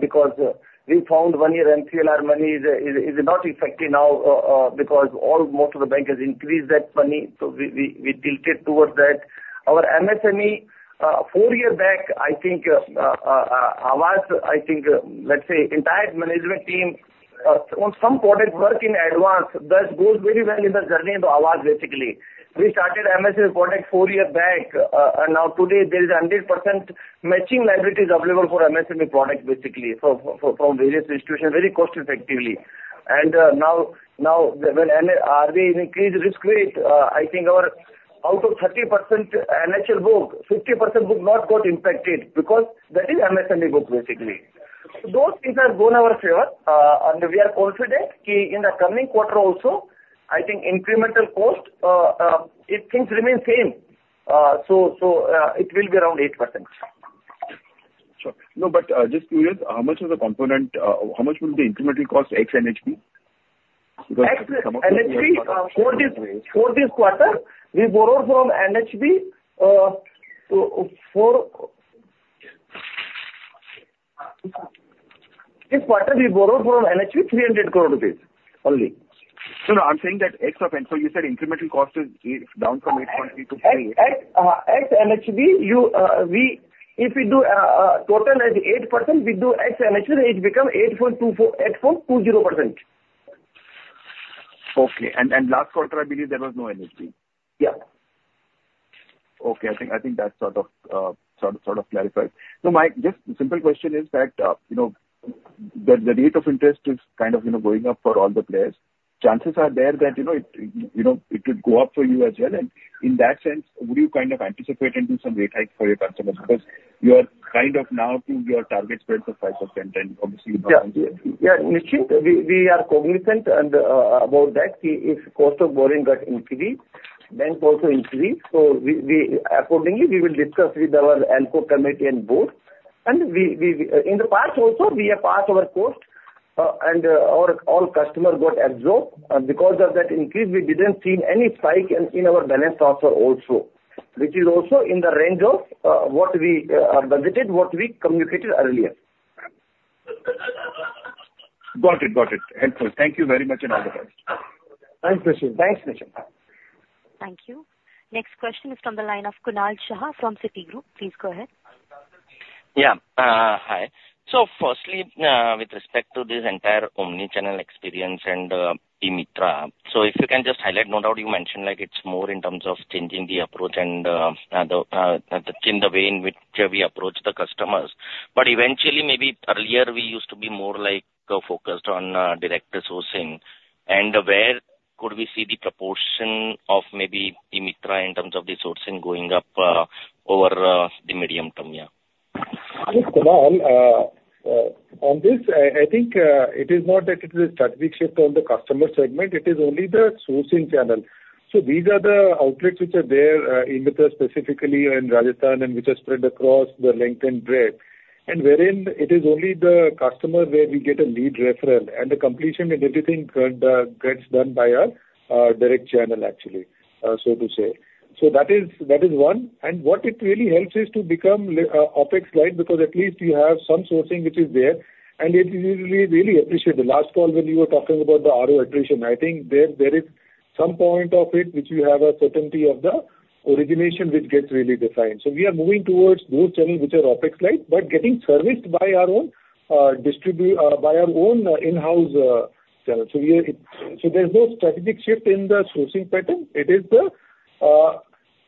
because we found 1-year MCLR money is not effective now, because almost all of the banks have increased that money, so we tilted towards that. Our MSME, 4 years back, I think, our last, I think, let's say entire management team, on some products work in advance, that goes very well in the journey to Aavas, basically. We started MSME product 4 years back, and now today there is 100% matching liabilities available for MSME product, basically, from various institutions, very cost effectively. When RV increased risk weight, I think our out of 30% NHL book, 50% book not got impacted because that is MSME book, basically. Those things have gone our favor, and we are confident ki in the coming quarter also, I think incremental cost, if things remain same, so it will be around 8%. No, but, just curious, how much of the component, how much will the incremental cost ex NHB? From NHB, for this, for this quarter, we borrow from NHB, so for this quarter, we borrowed from NHB 300 crore rupees only. So no, I'm saying that ex of NH. So you said incremental cost is down from 8.3 to 3. Ex NHB, if we do total as 8%, we do ex NHB, it become 8.24-8.20%. Okay. And last quarter, I believe there was no NHB. Okay. I think, I think that's sort of, sort of, sort of clarified. So my just simple question is that, you know, the, the rate of interest is kind of, you know, going up for all the players. Chances are there that, you know, it, you know, it would go up for you as well, and in that sense, would you kind of anticipate into some rate hike for your customers? Because you are kind of now to your target spread for 5%. Yeah. Yeah, Nishant, we are cognizant and about that. If cost of borrowing got increased, then cost will increase. So accordingly, we will discuss with our ALCO committee and board. And in the past also, we have passed our cost, and our all customer got absorbed. And because of that increase, we didn't see any spike in our balance transfer also, which is also in the range of what we budgeted, what we communicated earlier. Got it, got it. Helpful. Thank you very much, and all the best. Thanks, Nishant. Thanks, Nishant. Thank you. Next question is from the line of Kunal Shah from Citigroup. Please go ahead. Yeah. Hi. So firstly, with respect to this entire omni-channel experience and eMitra, so if you can just highlight, no doubt, you mentioned like it's more in terms of changing the approach and changing the way in which we approach the customers. But eventually, maybe earlier, we used to be more like focused on direct sourcing. And where could we see the proportion of maybe eMitra in terms of the sourcing going up over the medium term? Yeah. Kunal, on this, I think, it is not that it's a strategic shift on the customer segment, it is only the sourcing channel. So these are the outlets which are there, in the eMitra specifically and Rajasthan, and which are spread across the length and breadth. And wherein it is only the customer where we get a lead referral, and the completion and everything, gets done by our, direct channel, actually, so to say. So that is, that is one. And what it really helps is to become OpEx light, because at least you have some sourcing which is there, and it is really, really appreciated. Last call, when you were talking about the RRO attrition, I think there, there is some point of it which we have a certainty of the origination which gets really defined. So we are moving towards those channels which are OpEx light, but getting serviced by our own by our own in-house channel. So we are. So there's no strategic shift in the sourcing pattern. It is.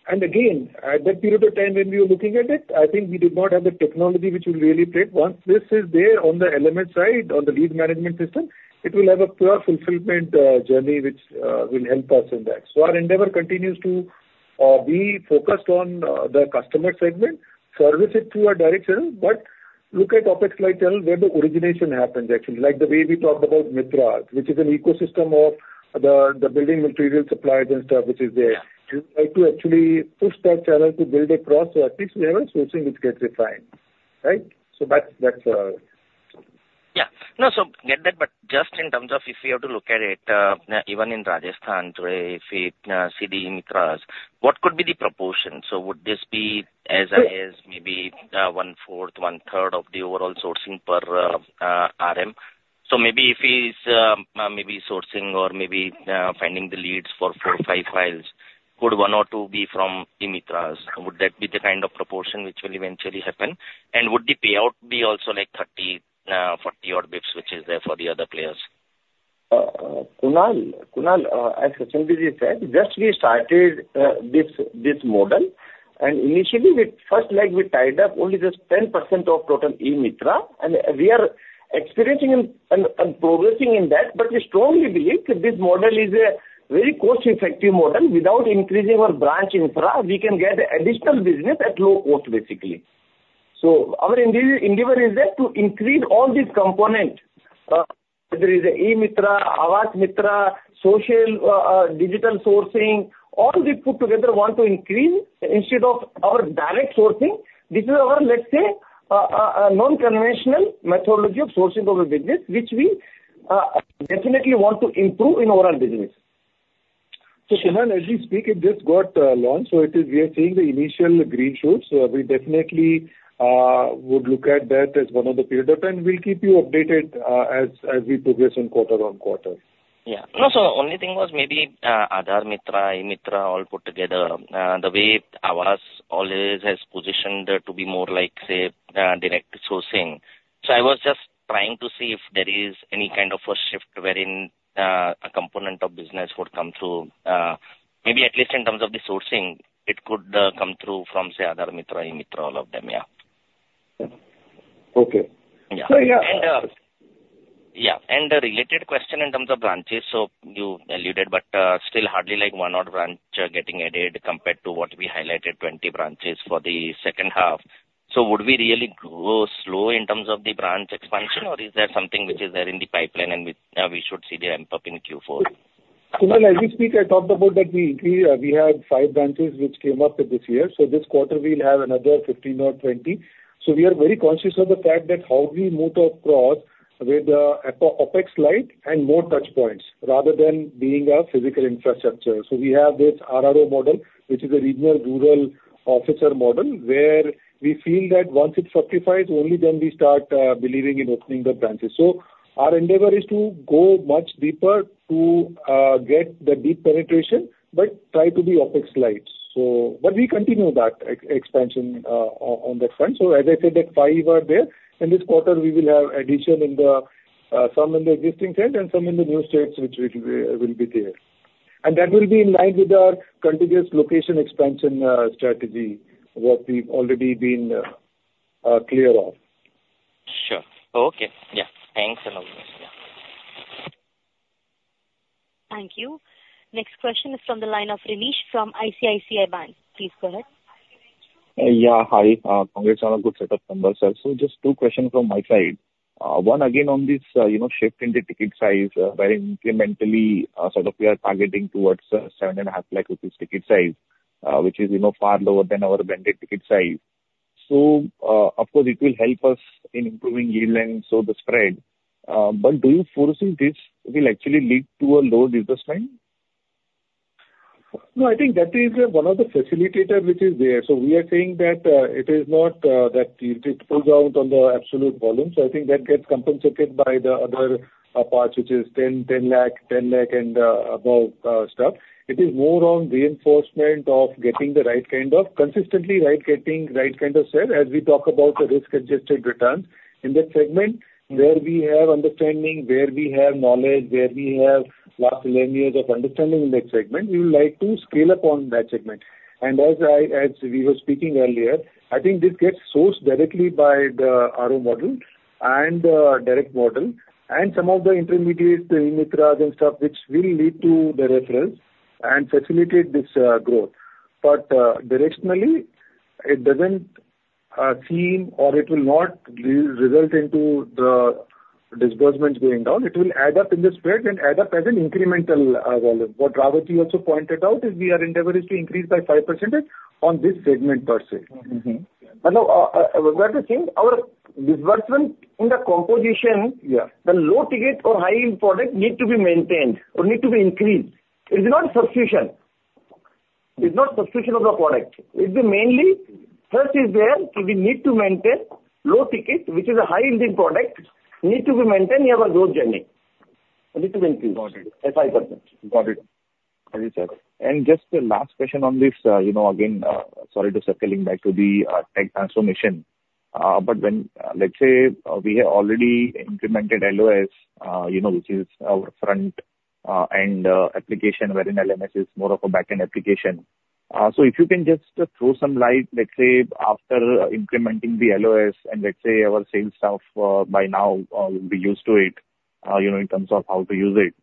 And again, at that period of time when we were looking at it, I think we did not have the technology which will really take. Once this is there on the element side, on the lead management system, it will have a pure fulfillment journey, which will help us in that. So our endeavor continues to be focused on the customer segment, service it through our direct channel, but look at OpEx light channel, where the origination happens, actually. Like the way we talked about Mitra, which is an ecosystem of the building material suppliers and stuff which is there. We try to actually push that channel to build a process, at least we have a sourcing which gets refined, right? So that's Yeah. No, so get that, but just in terms of if you have to look at it, even in Rajasthan, where if we see the eMitras, what could be the proportion? So would this be as maybe 1/4, 1/3 of the overall sourcing per RM? So maybe if he's maybe sourcing or maybe finding the leads for 4 or 5 files, could 1 or 2 be from eMitras? Would that be the kind of proportion which will eventually happen? And would the payout be also like 30-40 odd basis points, which is there for the other players? Kunal, as Ashwani said, just we started this model, and initially we first, like, we tied up only just 10% of total eMitra, and we are experiencing and progressing in that, but we strongly believe that this model is a very cost-effective model. Without increasing our branch infra, we can get additional business at low cost, basically. So our endeavor is that to increase all these components, whether it's eMitra, Aavas Mitra, social, digital sourcing, all we put together want to increase instead of our direct sourcing. This is our, let's say, non-conventional methodology of sourcing of the business, which we definitely want to improve in overall business. So, Kunal, as we speak, it just got launched, so it is we are seeing the initial green shoots. So we definitely would look at that as one of the period of time. We'll keep you updated as we progress on quarter-on-quarter. Yeah. No, so only thing was maybe Aavas Mitra, eMitra, all put together, the way Aavas always has positioned to be more like, say, direct sourcing. So I was just trying to see if there is any kind of a shift wherein a component of business would come through, maybe at least in terms of the sourcing, it could come through from, say, Aavas Mitra, eMitra, all of them. And, yeah, and a related question in terms of branches. So you alluded, but, still hardly like one odd branch getting added compared to what we highlighted, 20 branches for the second half. So would we really go slow in terms of the branch expansion, or is there something which is there in the pipeline and which we should see the ramp-up in Q4? So now, as we speak, I talked about that we had 5 branches which came up in this year. So this quarter we'll have another 15 or 20. So we are very conscious of the fact that how we move across with OpEx light and more touch points rather than being a physical infrastructure. So we have this RRO model, which is a regional rural officer model, where we feel that once it satisfies, only then we start believing in opening the branches. So our endeavor is to go much deeper to get the deep penetration, but try to be OpEx light. But we continue that expansion on that front. So as I said, that 5 are there. In this quarter, we will have addition in some in the existing states and some in the new states, which will be there. And that will be in line with our contiguous location expansion strategy, what we've already been clear on. Sure. Okay. Yeah. Thanks a lot. Yeah. Thank you. Next question is from the line of Manish from ICICI Bank. Please go ahead. Yeah, hi. Congrats on a good set of numbers, sir. So just two questions from my side. One, again, on this, you know, shift in the ticket size, where incrementally, sort of we are targeting towards, 7.5 lakh rupees ticket size, which is, you know, far lower than our blended ticket size. So, of course, it will help us in improving yield and so the spread, but do you foresee this will actually lead to a lower business line? No, I think that is one of the facilitator which is there. So we are saying that it is not that it pulls out on the absolute volume. So I think that gets compensated by the other parts, which is 10, 10 lakh, 10 lakh, and above stuff. It is more on reinforcement of getting the right kind of consistently right, getting right kind of sale. As we talk about the risk-adjusted returns. In that segment, where we have understanding, where we have knowledge, where we have large layers of understanding in that segment, we would like to scale up on that segment. As we were speaking earlier, I think this gets sourced directly by the RO model and direct model, and some of the intermediate, the Mitras and stuff, which will lead to the referral and facilitate this growth. But directionally, it doesn't seem or it will not result into the disbursements going down. It will add up in the spread and add up as an incremental volume. What Ravathi also pointed out is we are endeavoring to increase by 5% on this segment per se. We are saying our disbursement in the composition the low ticket or high-end product need to be maintained or need to be increased. It's not substitution. It's not substitution of the product. It's be mainly, first is there, so we need to maintain low ticket, which is a high-yielding product, need to be maintained. We have a growth journey. So this is increased. Got it. By 5%. Got it. Thank you, sir. And just a last question on this, you know, again, sorry to circling back to the, tech transformation. But when, let's say, we have already implemented LOS, you know, which is our front, and, application, wherein LMS is more of a back-end application. So if you can just throw some light, let's say, after implementing the LOS and let's say our sales staff, by now, will be used to it, you know, in terms of how to use it.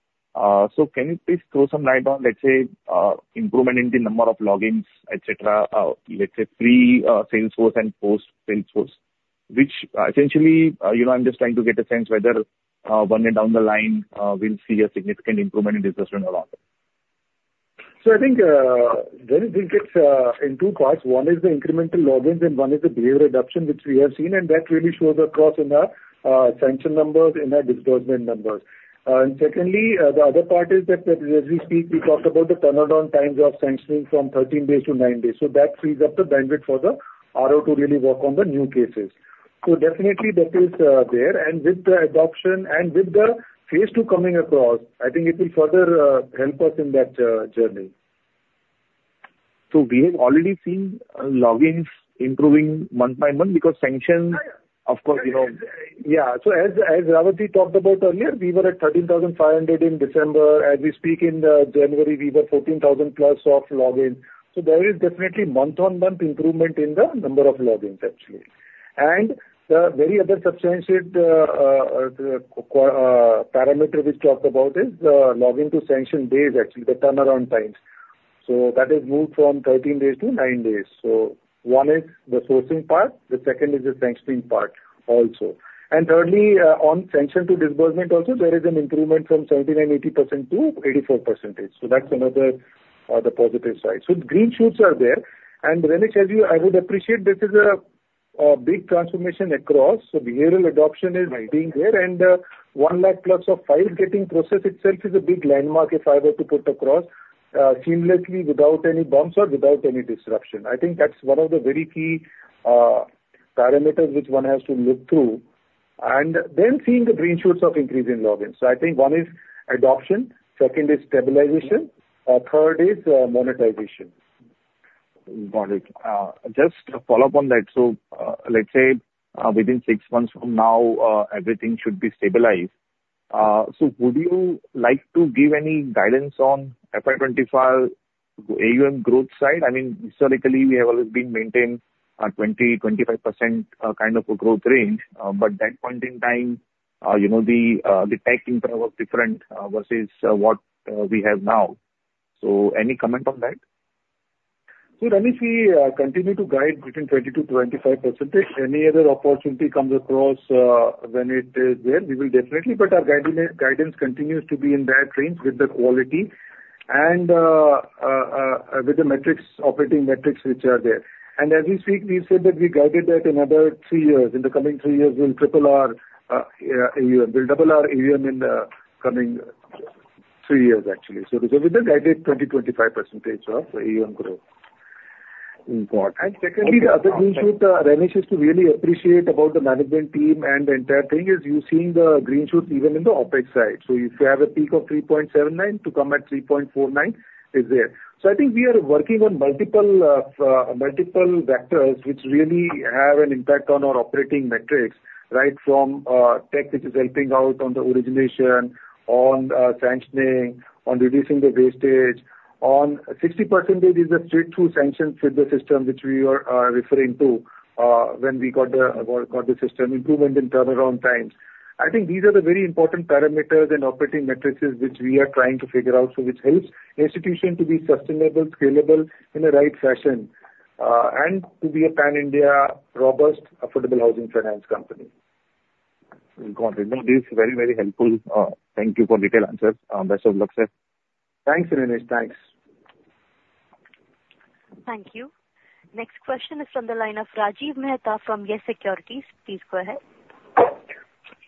So can you please throw some light on, let's say, improvement in the number of logins, et cetera, let's say, pre Salesforce and post Salesforce, which essentially, you know, I'm just trying to get a sense whether, one day down the line, we'll see a significant improvement in disbursement or not? So I think, when it gets, in two parts, one is the incremental logins and one is the behavioral adoption, which we have seen, and that really shows across in our, sanction numbers, in our disbursement numbers. And secondly, the other part is that as we speak, we talk about the turnaround times of sanctioning from 13 days to 9 days. So that frees up the bandwidth for the RO to really work on the new cases. So definitely that is, there. And with the adoption and with the phase two coming across, I think it will further, help us in that, journey. So we have already seen logins improving month by month, because sanctions so as Ravathi talked about earlier, we were at 13,500 in December. As we speak in January, we were 14,000+ of logins. So there is definitely month-on-month improvement in the number of logins, actually. And the very other substantiated parameter which talked about is login to sanction days, actually, the turnaround times. So that is moved from 13 days to 9 days. So one is the sourcing part, the second is the sanctioning part also. And thirdly, on sanction to disbursement also, there is an improvement from 79%-80% to 84%. So that's another the positive side. So green shoots are there. And Manish, I would appreciate this is a big transformation across. So behavioral adoption is being there, and 1 lakh+ of files getting processed itself is a big landmark, if I were to put across, seamlessly, without any bumps or without any disruption. I think that's one of the very key parameters which one has to look through, and then seeing the green shoots of increase in logins. So I think one is adoption, second is stabilization, third is monetization. Got it. Just to follow up on that: so, let's say, within six months from now, everything should be stabilized. So would you like to give any guidance on FY 2025 AUM growth side? I mean, historically, we have always been maintained a 20-25% kind of a growth range. But that point in time, you know, the tech impact was different versus what we have now. So any comment on that? So, Manish, we continue to guide between 20%-25%. Any other opportunity comes across, when it is there, we will definitely, but our guidance continues to be in that range with the quality and with the metrics, operating metrics which are there. And as we speak, we said that we guided that another three years. In the coming three years, we'll triple our AUM. We'll double our AUM in the coming three years, actually. So with the guided 20%-25% of AUM growth. And secondly, the other green shoot, Manish, is to really appreciate about the management team and the entire thing is you're seeing the green shoot even in the OpEx side. So if you have a peak of 3.79 to come at 3.49, is there. So I think we are working on multiple multiple vectors, which really have an impact on our operating metrics, right from tech, which is helping out on the origination, on sanctioning, on reducing the wastage, on 60% is the straight-through sanction through the system, which we are referring to when we got the system improvement in turnaround times. I think these are the very important parameters and operating matrices which we are trying to figure out, so which helps institution to be sustainable, scalable in a right fashion, and to be a pan-India, robust, affordable housing finance company. Got it. No, this is very, very helpful. Thank you for detailed answers. Best of luck, sir. Thanks, Rakesh. Thanks. Thank you. Next question is from the line of Rajiv Mehta from YES Securities. Please go ahead.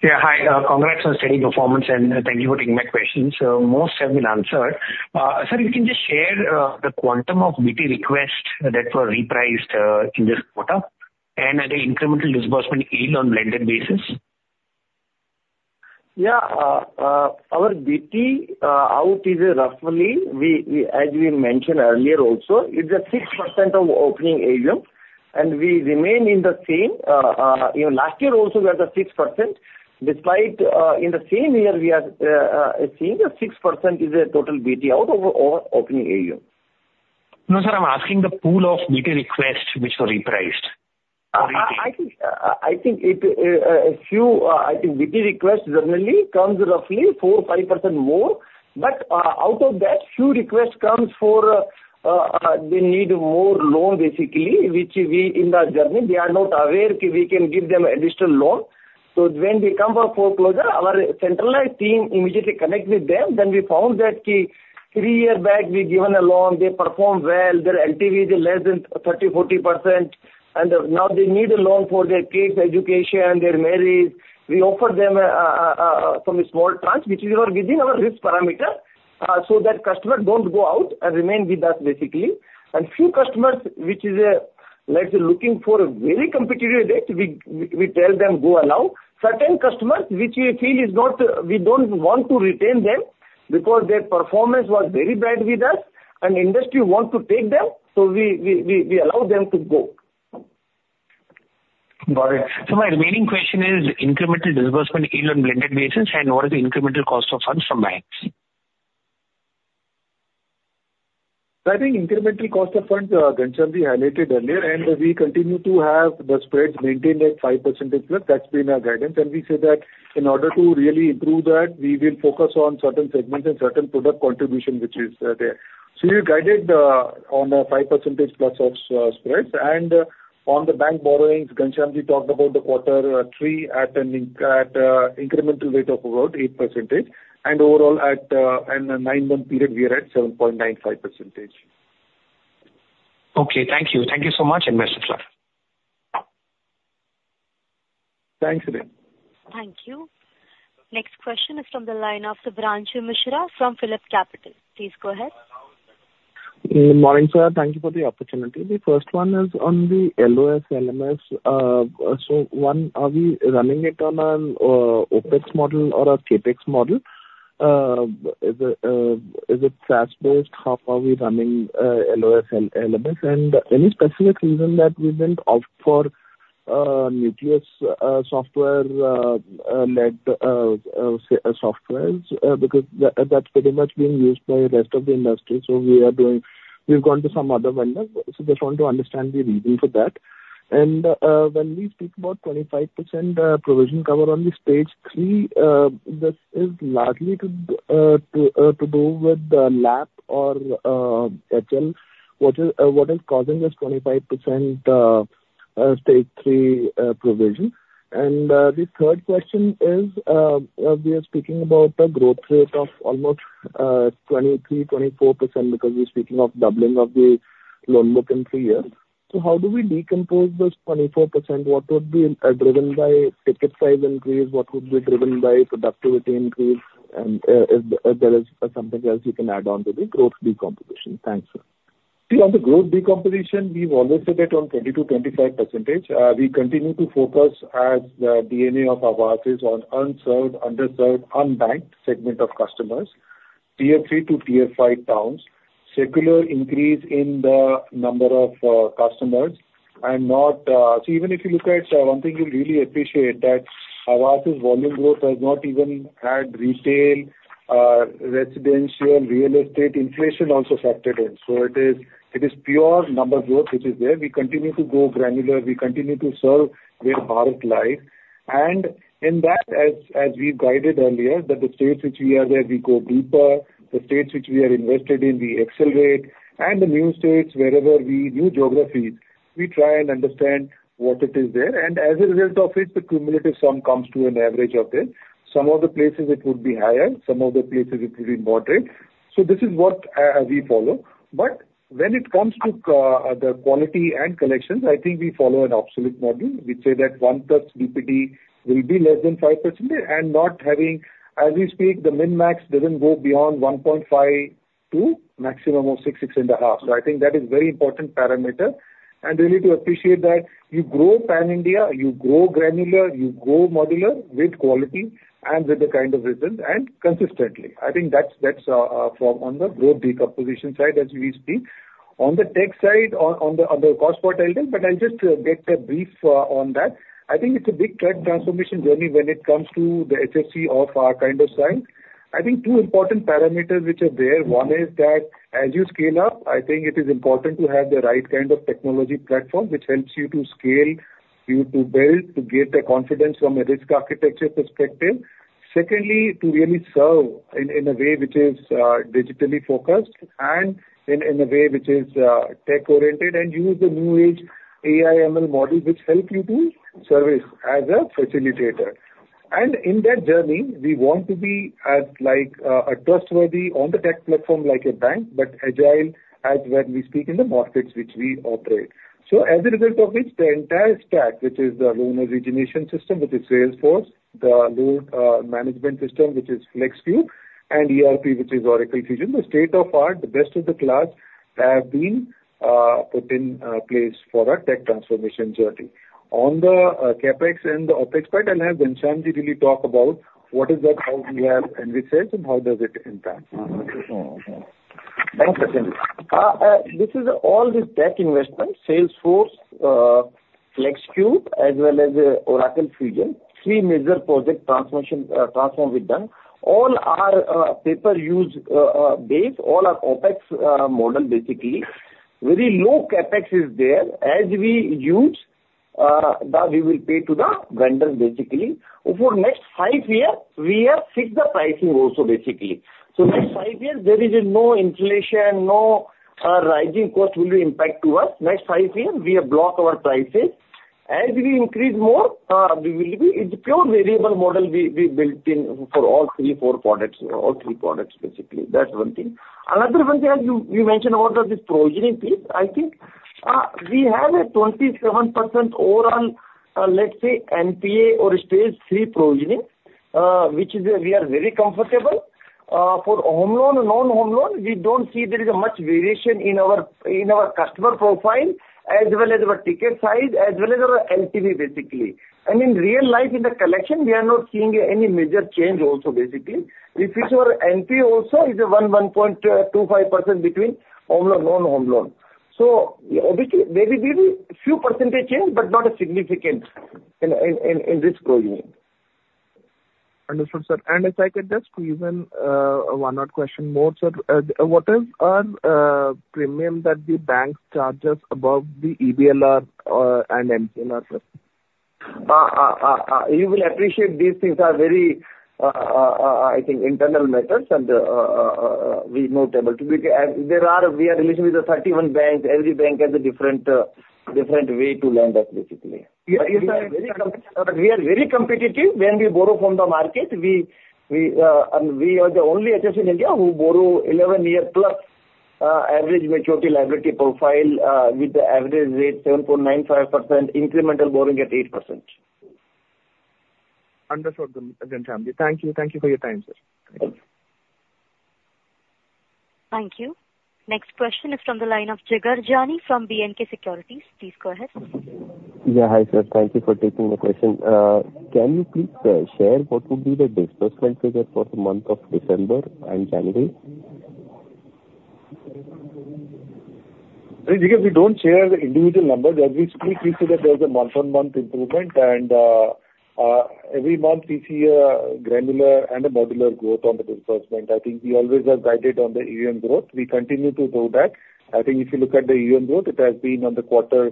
Yeah, hi. Congrats on steady performance, and thank you for taking my questions. So most have been answered. Sir, you can just share the quantum of BT request that were repriced in this quarter, and the incremental disbursement in on blended basis? Yeah. Our BT out is roughly, we as we mentioned earlier also, it's a 6% of opening AUM, and we remain in the same. You know, last year also we had the 6%, despite in the same year, we are seeing a 6% is a total BT out of our opening AUM. No, sir, I'm asking the pool of BT requests which were repriced. I think BT requests generally comes roughly 4-5% more. But out of that, few requests comes for they need more loan, basically, which we in the journey, they are not aware ki we can give them additional loan. So when we come for foreclosure, our centralized team immediately connect with them. Then we found that key 3 years back, we've given a loan, they performed well, their LTV is less than 30%-40%, and now they need a loan for their kids' education, their marriage. We offer them some small tranche, which is within our risk parameter, so that customer don't go out and remain with us, basically. A few customers, which is, let's say, looking for a very competitive rate, we tell them, "Go allow." Certain customers which we feel is not, we don't want to retain them because their performance was very bad with us and industry want to take them, so we allow them to go. Got it. So my remaining question is incremental disbursement even on blended basis, and what is the incremental cost of funds from banks? I think incremental cost of funds, Ghanshyamji highlighted earlier, and we continue to have the spreads maintained at 5%+. That's been our guidance. And we say that in order to really improve that, we will focus on certain segments and certain product contribution, which is there. So we've guided on a 5%+ of spreads, and on the bank borrowings, Ghanshyamji talked about the quarter three at an incremental rate of about 8%, and overall at a nine-month period, we are at 7.95%. Okay. Thank you. Thank you so much, and best of luck. Thanks, Rajiv. Thank you. Next question is from the line of Shubhranshu Mishra from PhillipsCapital. Please go ahead. Good morning, sir. Thank you for the opportunity. The first one is on the LOS, LMS. So one, are we running it on an OpEx model or a CapEx model? Is it SaaS-based? How are we running LOS and LMS? And any specific reason that we didn't opt for Nucleus Software led softwares? Because that's pretty much being used by rest of the industry. We've gone to some other vendor. So just want to understand the reason for that. And when we speak about 25% provision cover on the Stage 3, this is largely to do with the LAP or HL. What is causing this 25% Stage 3 provision? The third question is, we are speaking about the growth rate of almost 23%-24%, because we're speaking of doubling of the loan book in 3 years. So how do we decompose those 24%? What would be driven by ticket size increase? What would be driven by productivity increase? And, if, if there is something else you can add on to the growth decomposition. Thanks, sir. See, on the growth decomposition, we've always said that on 20-25%, we continue to focus as the DNA of Aavas is on unserved, underserved, unbanked segment of customers, tier 3 to tier 5 towns. Secular increase in the number of customers and not so even if you look at one thing you'll really appreciate that Aavas' volume growth has not even had retail residential real estate inflation also factored in. So it is pure number growth, which is there. We continue to grow granular, we continue to serve where heart lies. And in that, as we guided earlier, that the states which we are there, we go deeper, the states which we are invested in, we accelerate, and the new states, wherever we new geographies, we try and understand what it is there. And as a result of it, the cumulative sum comes to an average of this. Some of the places it would be higher, some of the places it will be moderate. So this is what we follow. But when it comes to the quality and collections, I think we follow an asset model, which say that 1+ DPD will be less than 5% and not having, as we speak, the min-max doesn't go beyond 1.5 to maximum of 6, 6.5. So I think that is very important parameter. And really to appreciate that you grow pan-India, you grow granular, you grow modular with quality and with the kind of results and consistently. I think that's from on the growth decomposition side as we speak. On the tech side, on the cost part, I'll just get a brief on that. I think it's a big transformation journey when it comes to the HFC of our kind of size. I think two important parameters which are there. One is that as you scale up, I think it is important to have the right kind of technology platform, which helps you to scale, to build, to get the confidence from a risk architecture perspective. Secondly, to really serve in a way which is digitally focused and in a way which is tech-oriented, and use the new age AI/ML model, which help you to service as a facilitator. In that journey, we want to be as like, a trustworthy on the tech platform, like a bank, but agile as when we speak in the markets which we operate. So as a result of which, the entire stack, which is the loan origination system with its Salesforce, the loan management system, which is Flexcube and ERP, which is Oracle Fusion, the state of art, the best of the class, have been put in place for our tech transformation journey. On the CapEx and the OpEx part, I'll have Ghanshyamji really talk about what is that, how we have, and which sales and how does it impact? This is all the tech investments, Salesforce, Flexcube, as well as, Oracle Fusion. Three major project transmission, transform we've done. All our paper use base, all are OpEx model, basically. Very low CapEx is there. As we use, that we will pay to the vendors, basically. For next five year, we have fixed the pricing also, basically. So next five years, there is no inflation, no, rising cost will impact to us. Next five years, we have block our prices. As we increase more, it's pure variable model we built in for all three, four products, all three products, basically. That's one thing. Another one thing, as you mentioned about the this provisioning piece, I think, we have a 27% overall, let's say, NPA or Stage 3 provisioning, which is, we are very comfortable. For home loan and non-home loan, we don't see there is a much variation in our customer profile, as well as our ticket size, as well as our LTV, basically. And in real life, in the collection, we are not seeing any major change also, basically. If it's our NPA also, is a 1.25% between home loan, non-home loan. So maybe, maybe few percentage change, but not a significant in this provisioning. Understood, sir. And if I could just even one odd question more, sir. What is our premium that the bank charges above the EBLR and MCLR? You will appreciate these things are very, I think, internal matters, and we're not able to because as there are, we are related with the 31 banks, every bank has a different, different way to lend us, basically. Yeah. We are very competitive when we borrow from the market. We are the only HFC in India who borrow 11-year+ average maturity liability profile, with the average rate 7.95%, incremental borrowing at 8%. Understood, Ghanshyamji. Thank you. Thank you for your time, sir. Thank you. Thank you. Next question is from the line of Jigar Jani from B&K Securities. Please go ahead. Yeah. Hi, sir. Thank you for taking the question. Can you please share what would be the disbursement figure for the month of December and January? Jigar, we don't share the individual numbers. As we speak, we see that there is a month-on-month improvement and every month we see a granular and a modular growth on the disbursement. I think we always have guided on the AUM growth. We continue to do that. I think if you look at the AUM growth, it has been on the quarter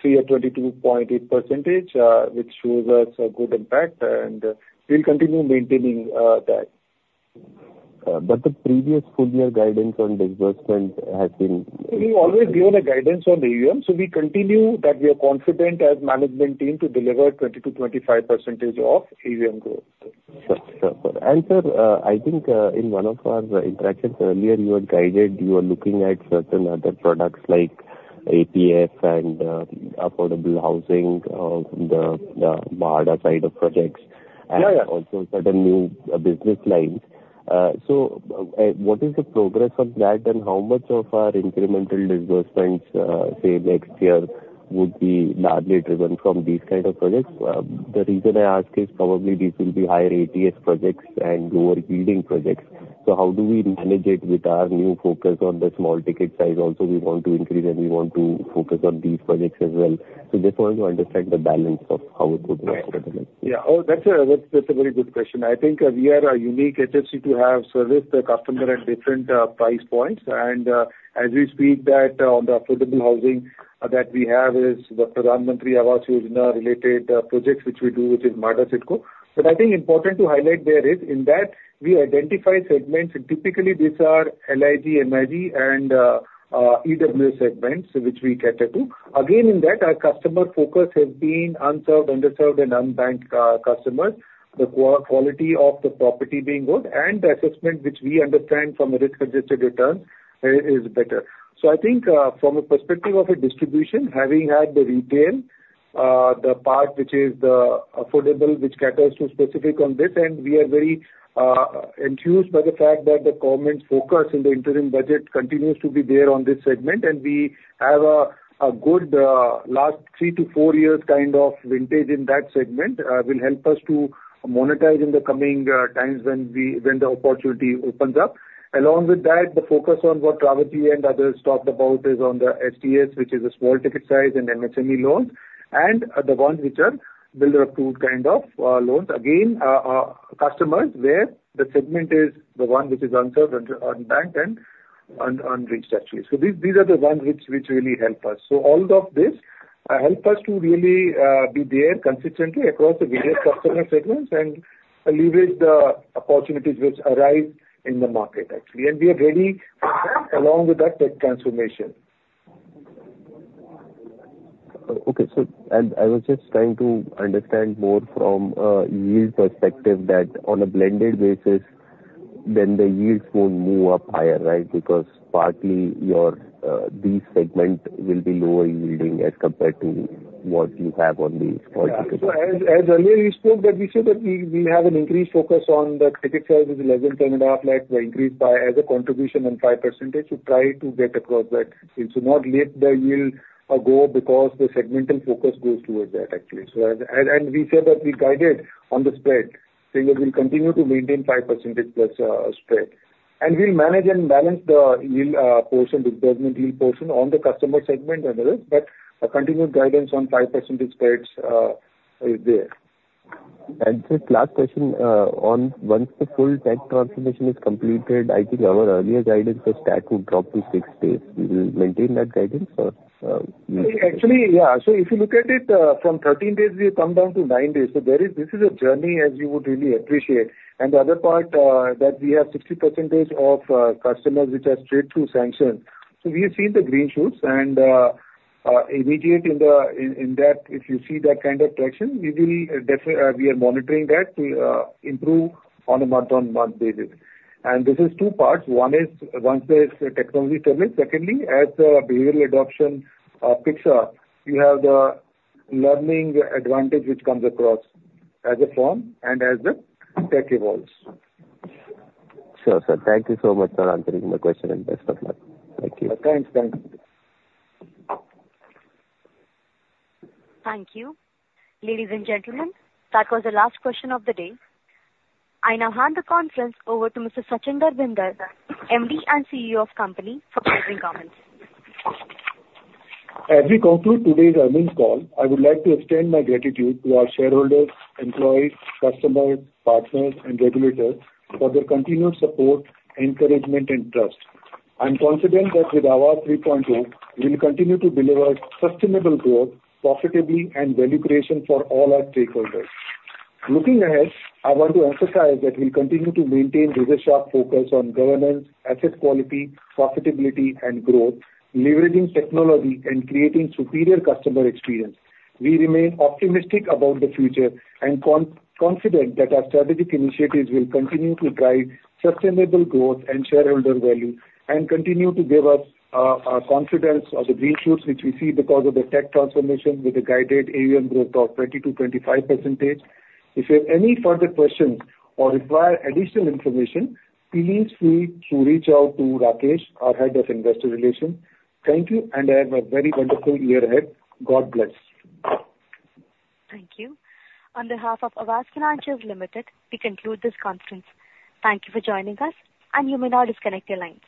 three at 22.8%, which shows us a good impact, and we'll continue maintaining that. But the previous full year guidance on disbursement has been- We've always given a guidance on the AUM, so we continue that we are confident as management team to deliver 20%-25% of AUM growth. In one of our interactions earlier, you had guided you are looking at certain other products like APF and, affordable housing, the, the Bada side of projects and also certain new, business lines. So, what is the progress on that, and how much of our incremental disbursements, say, next year, would be largely driven from these kind of projects? The reason I ask is probably these will be higher ATS projects and lower yielding projects, so how do we manage it with our new focus on the small ticket size? Also, we want to increase and we want to focus on these projects as well. So just want to understand the balance of how it would look at the moment. Yeah. Oh, that's a very good question. I think we are a unique HFC to have serviced the customer at different price points. And, as we speak that on the affordable housing that we have is the Pradhan Mantri Awas Yojana related projects which we do, which is MHADA-CIDCO. But I think important to highlight there is, in that we identify segments, and typically these are LIG, MIG, and EWS segments which we cater to. Again, in that, our customer focus has been unserved, underserved, and unbanked customers. The quality of the property being good and the assessment, which we understand from a risk-adjusted return, is better. So I think from a perspective of a distribution, having had the retail the part which is the affordable, which caters to specific on this, and we are very enthused by the fact that the government's focus in the interim budget continues to be there on this segment. And we have a good last 3-4 years kind of vintage in that segment will help us to monetize in the coming times when the opportunity opens up. Along with that, the focus on what Rawat and others talked about is on the STS, which is a small ticket size, and MSME loans, and the ones which are builder approved kind of loans. Again, our customers where the segment is the one which is unserved and unbanked and unreached, actually. So these, these are the ones which, which really help us. So all of this, help us to really, be there consistently across the various customer segments and leverage the opportunities which arise in the market, actually. And we are ready, along with that, tech transformation. Okay. So I was just trying to understand more from a yield perspective, that on a blended basis, then the yields won't move up higher, right? Because partly your these segment will be lower yielding as compared to what you have on these. Yeah. So as earlier you spoke, that we said that we have an increased focus on the ticket size is 11, 10.5 lakhs were increased by as a contribution and 5% to try to get across that. It should not let the yield go because the segmental focus goes towards that, actually. So and we said that we guided on the spread, saying that we'll continue to maintain 5%+ spread. And we'll manage and balance the yield portion, disbursement yield portion on the customer segment and the rest, but a continued guidance on 5% spreads is there. Just last question, on once the full tech transformation is completed, I think our earlier guidance for stack would drop to six days. We will maintain that guidance. Actually, yeah. So if you look at it, from 13 days, we have come down to 9 days. So there is, this is a journey as you would really appreciate. And the other part, that we have 60% of customers which are straight through sanction. So we have seen the green shoots and immediate in the, in, in that, if you see that kind of traction, we will definit- we are monitoring that to improve on a month-on-month basis. And this is two parts. One is, once the technology stable; secondly, as behavioral adoption picks up, we have the learning advantage, which comes across as a form and as the tech evolves. Sure, sir. Thank you so much for answering my question, and best of luck. Thank you. Thanks. Thanks. Thank you. Ladies and gentlemen, that was the last question of the day. I now hand the conference over to Mr. Sachinder Bhinder, MD and CEO of Aavas Financiers, for closing comments. As we conclude today's earnings call, I would like to extend my gratitude to our shareholders, employees, customers, partners, and regulators for their continuous support, encouragement, and trust. I'm confident that with our 3.0, we'll continue to deliver sustainable growth, profitability, and value creation for all our stakeholders. Looking ahead, I want to emphasize that we'll continue to maintain razor-sharp focus on governance, asset quality, profitability, and growth, leveraging technology and creating superior customer experience. We remain optimistic about the future and confident that our strategic initiatives will continue to drive sustainable growth and shareholder value, and continue to give us a confidence of the green shoots, which we see because of the tech transformation with a guided AUM growth of 20%-25%. If you have any further questions or require additional information, please feel free to reach out to Rakesh, our head of Investor Relations. Thank you, and have a very wonderful year ahead. God bless. Thank you. On behalf of Aavas Financiers Limited, we conclude this conference. Thank you for joining us, and you may now disconnect your lines.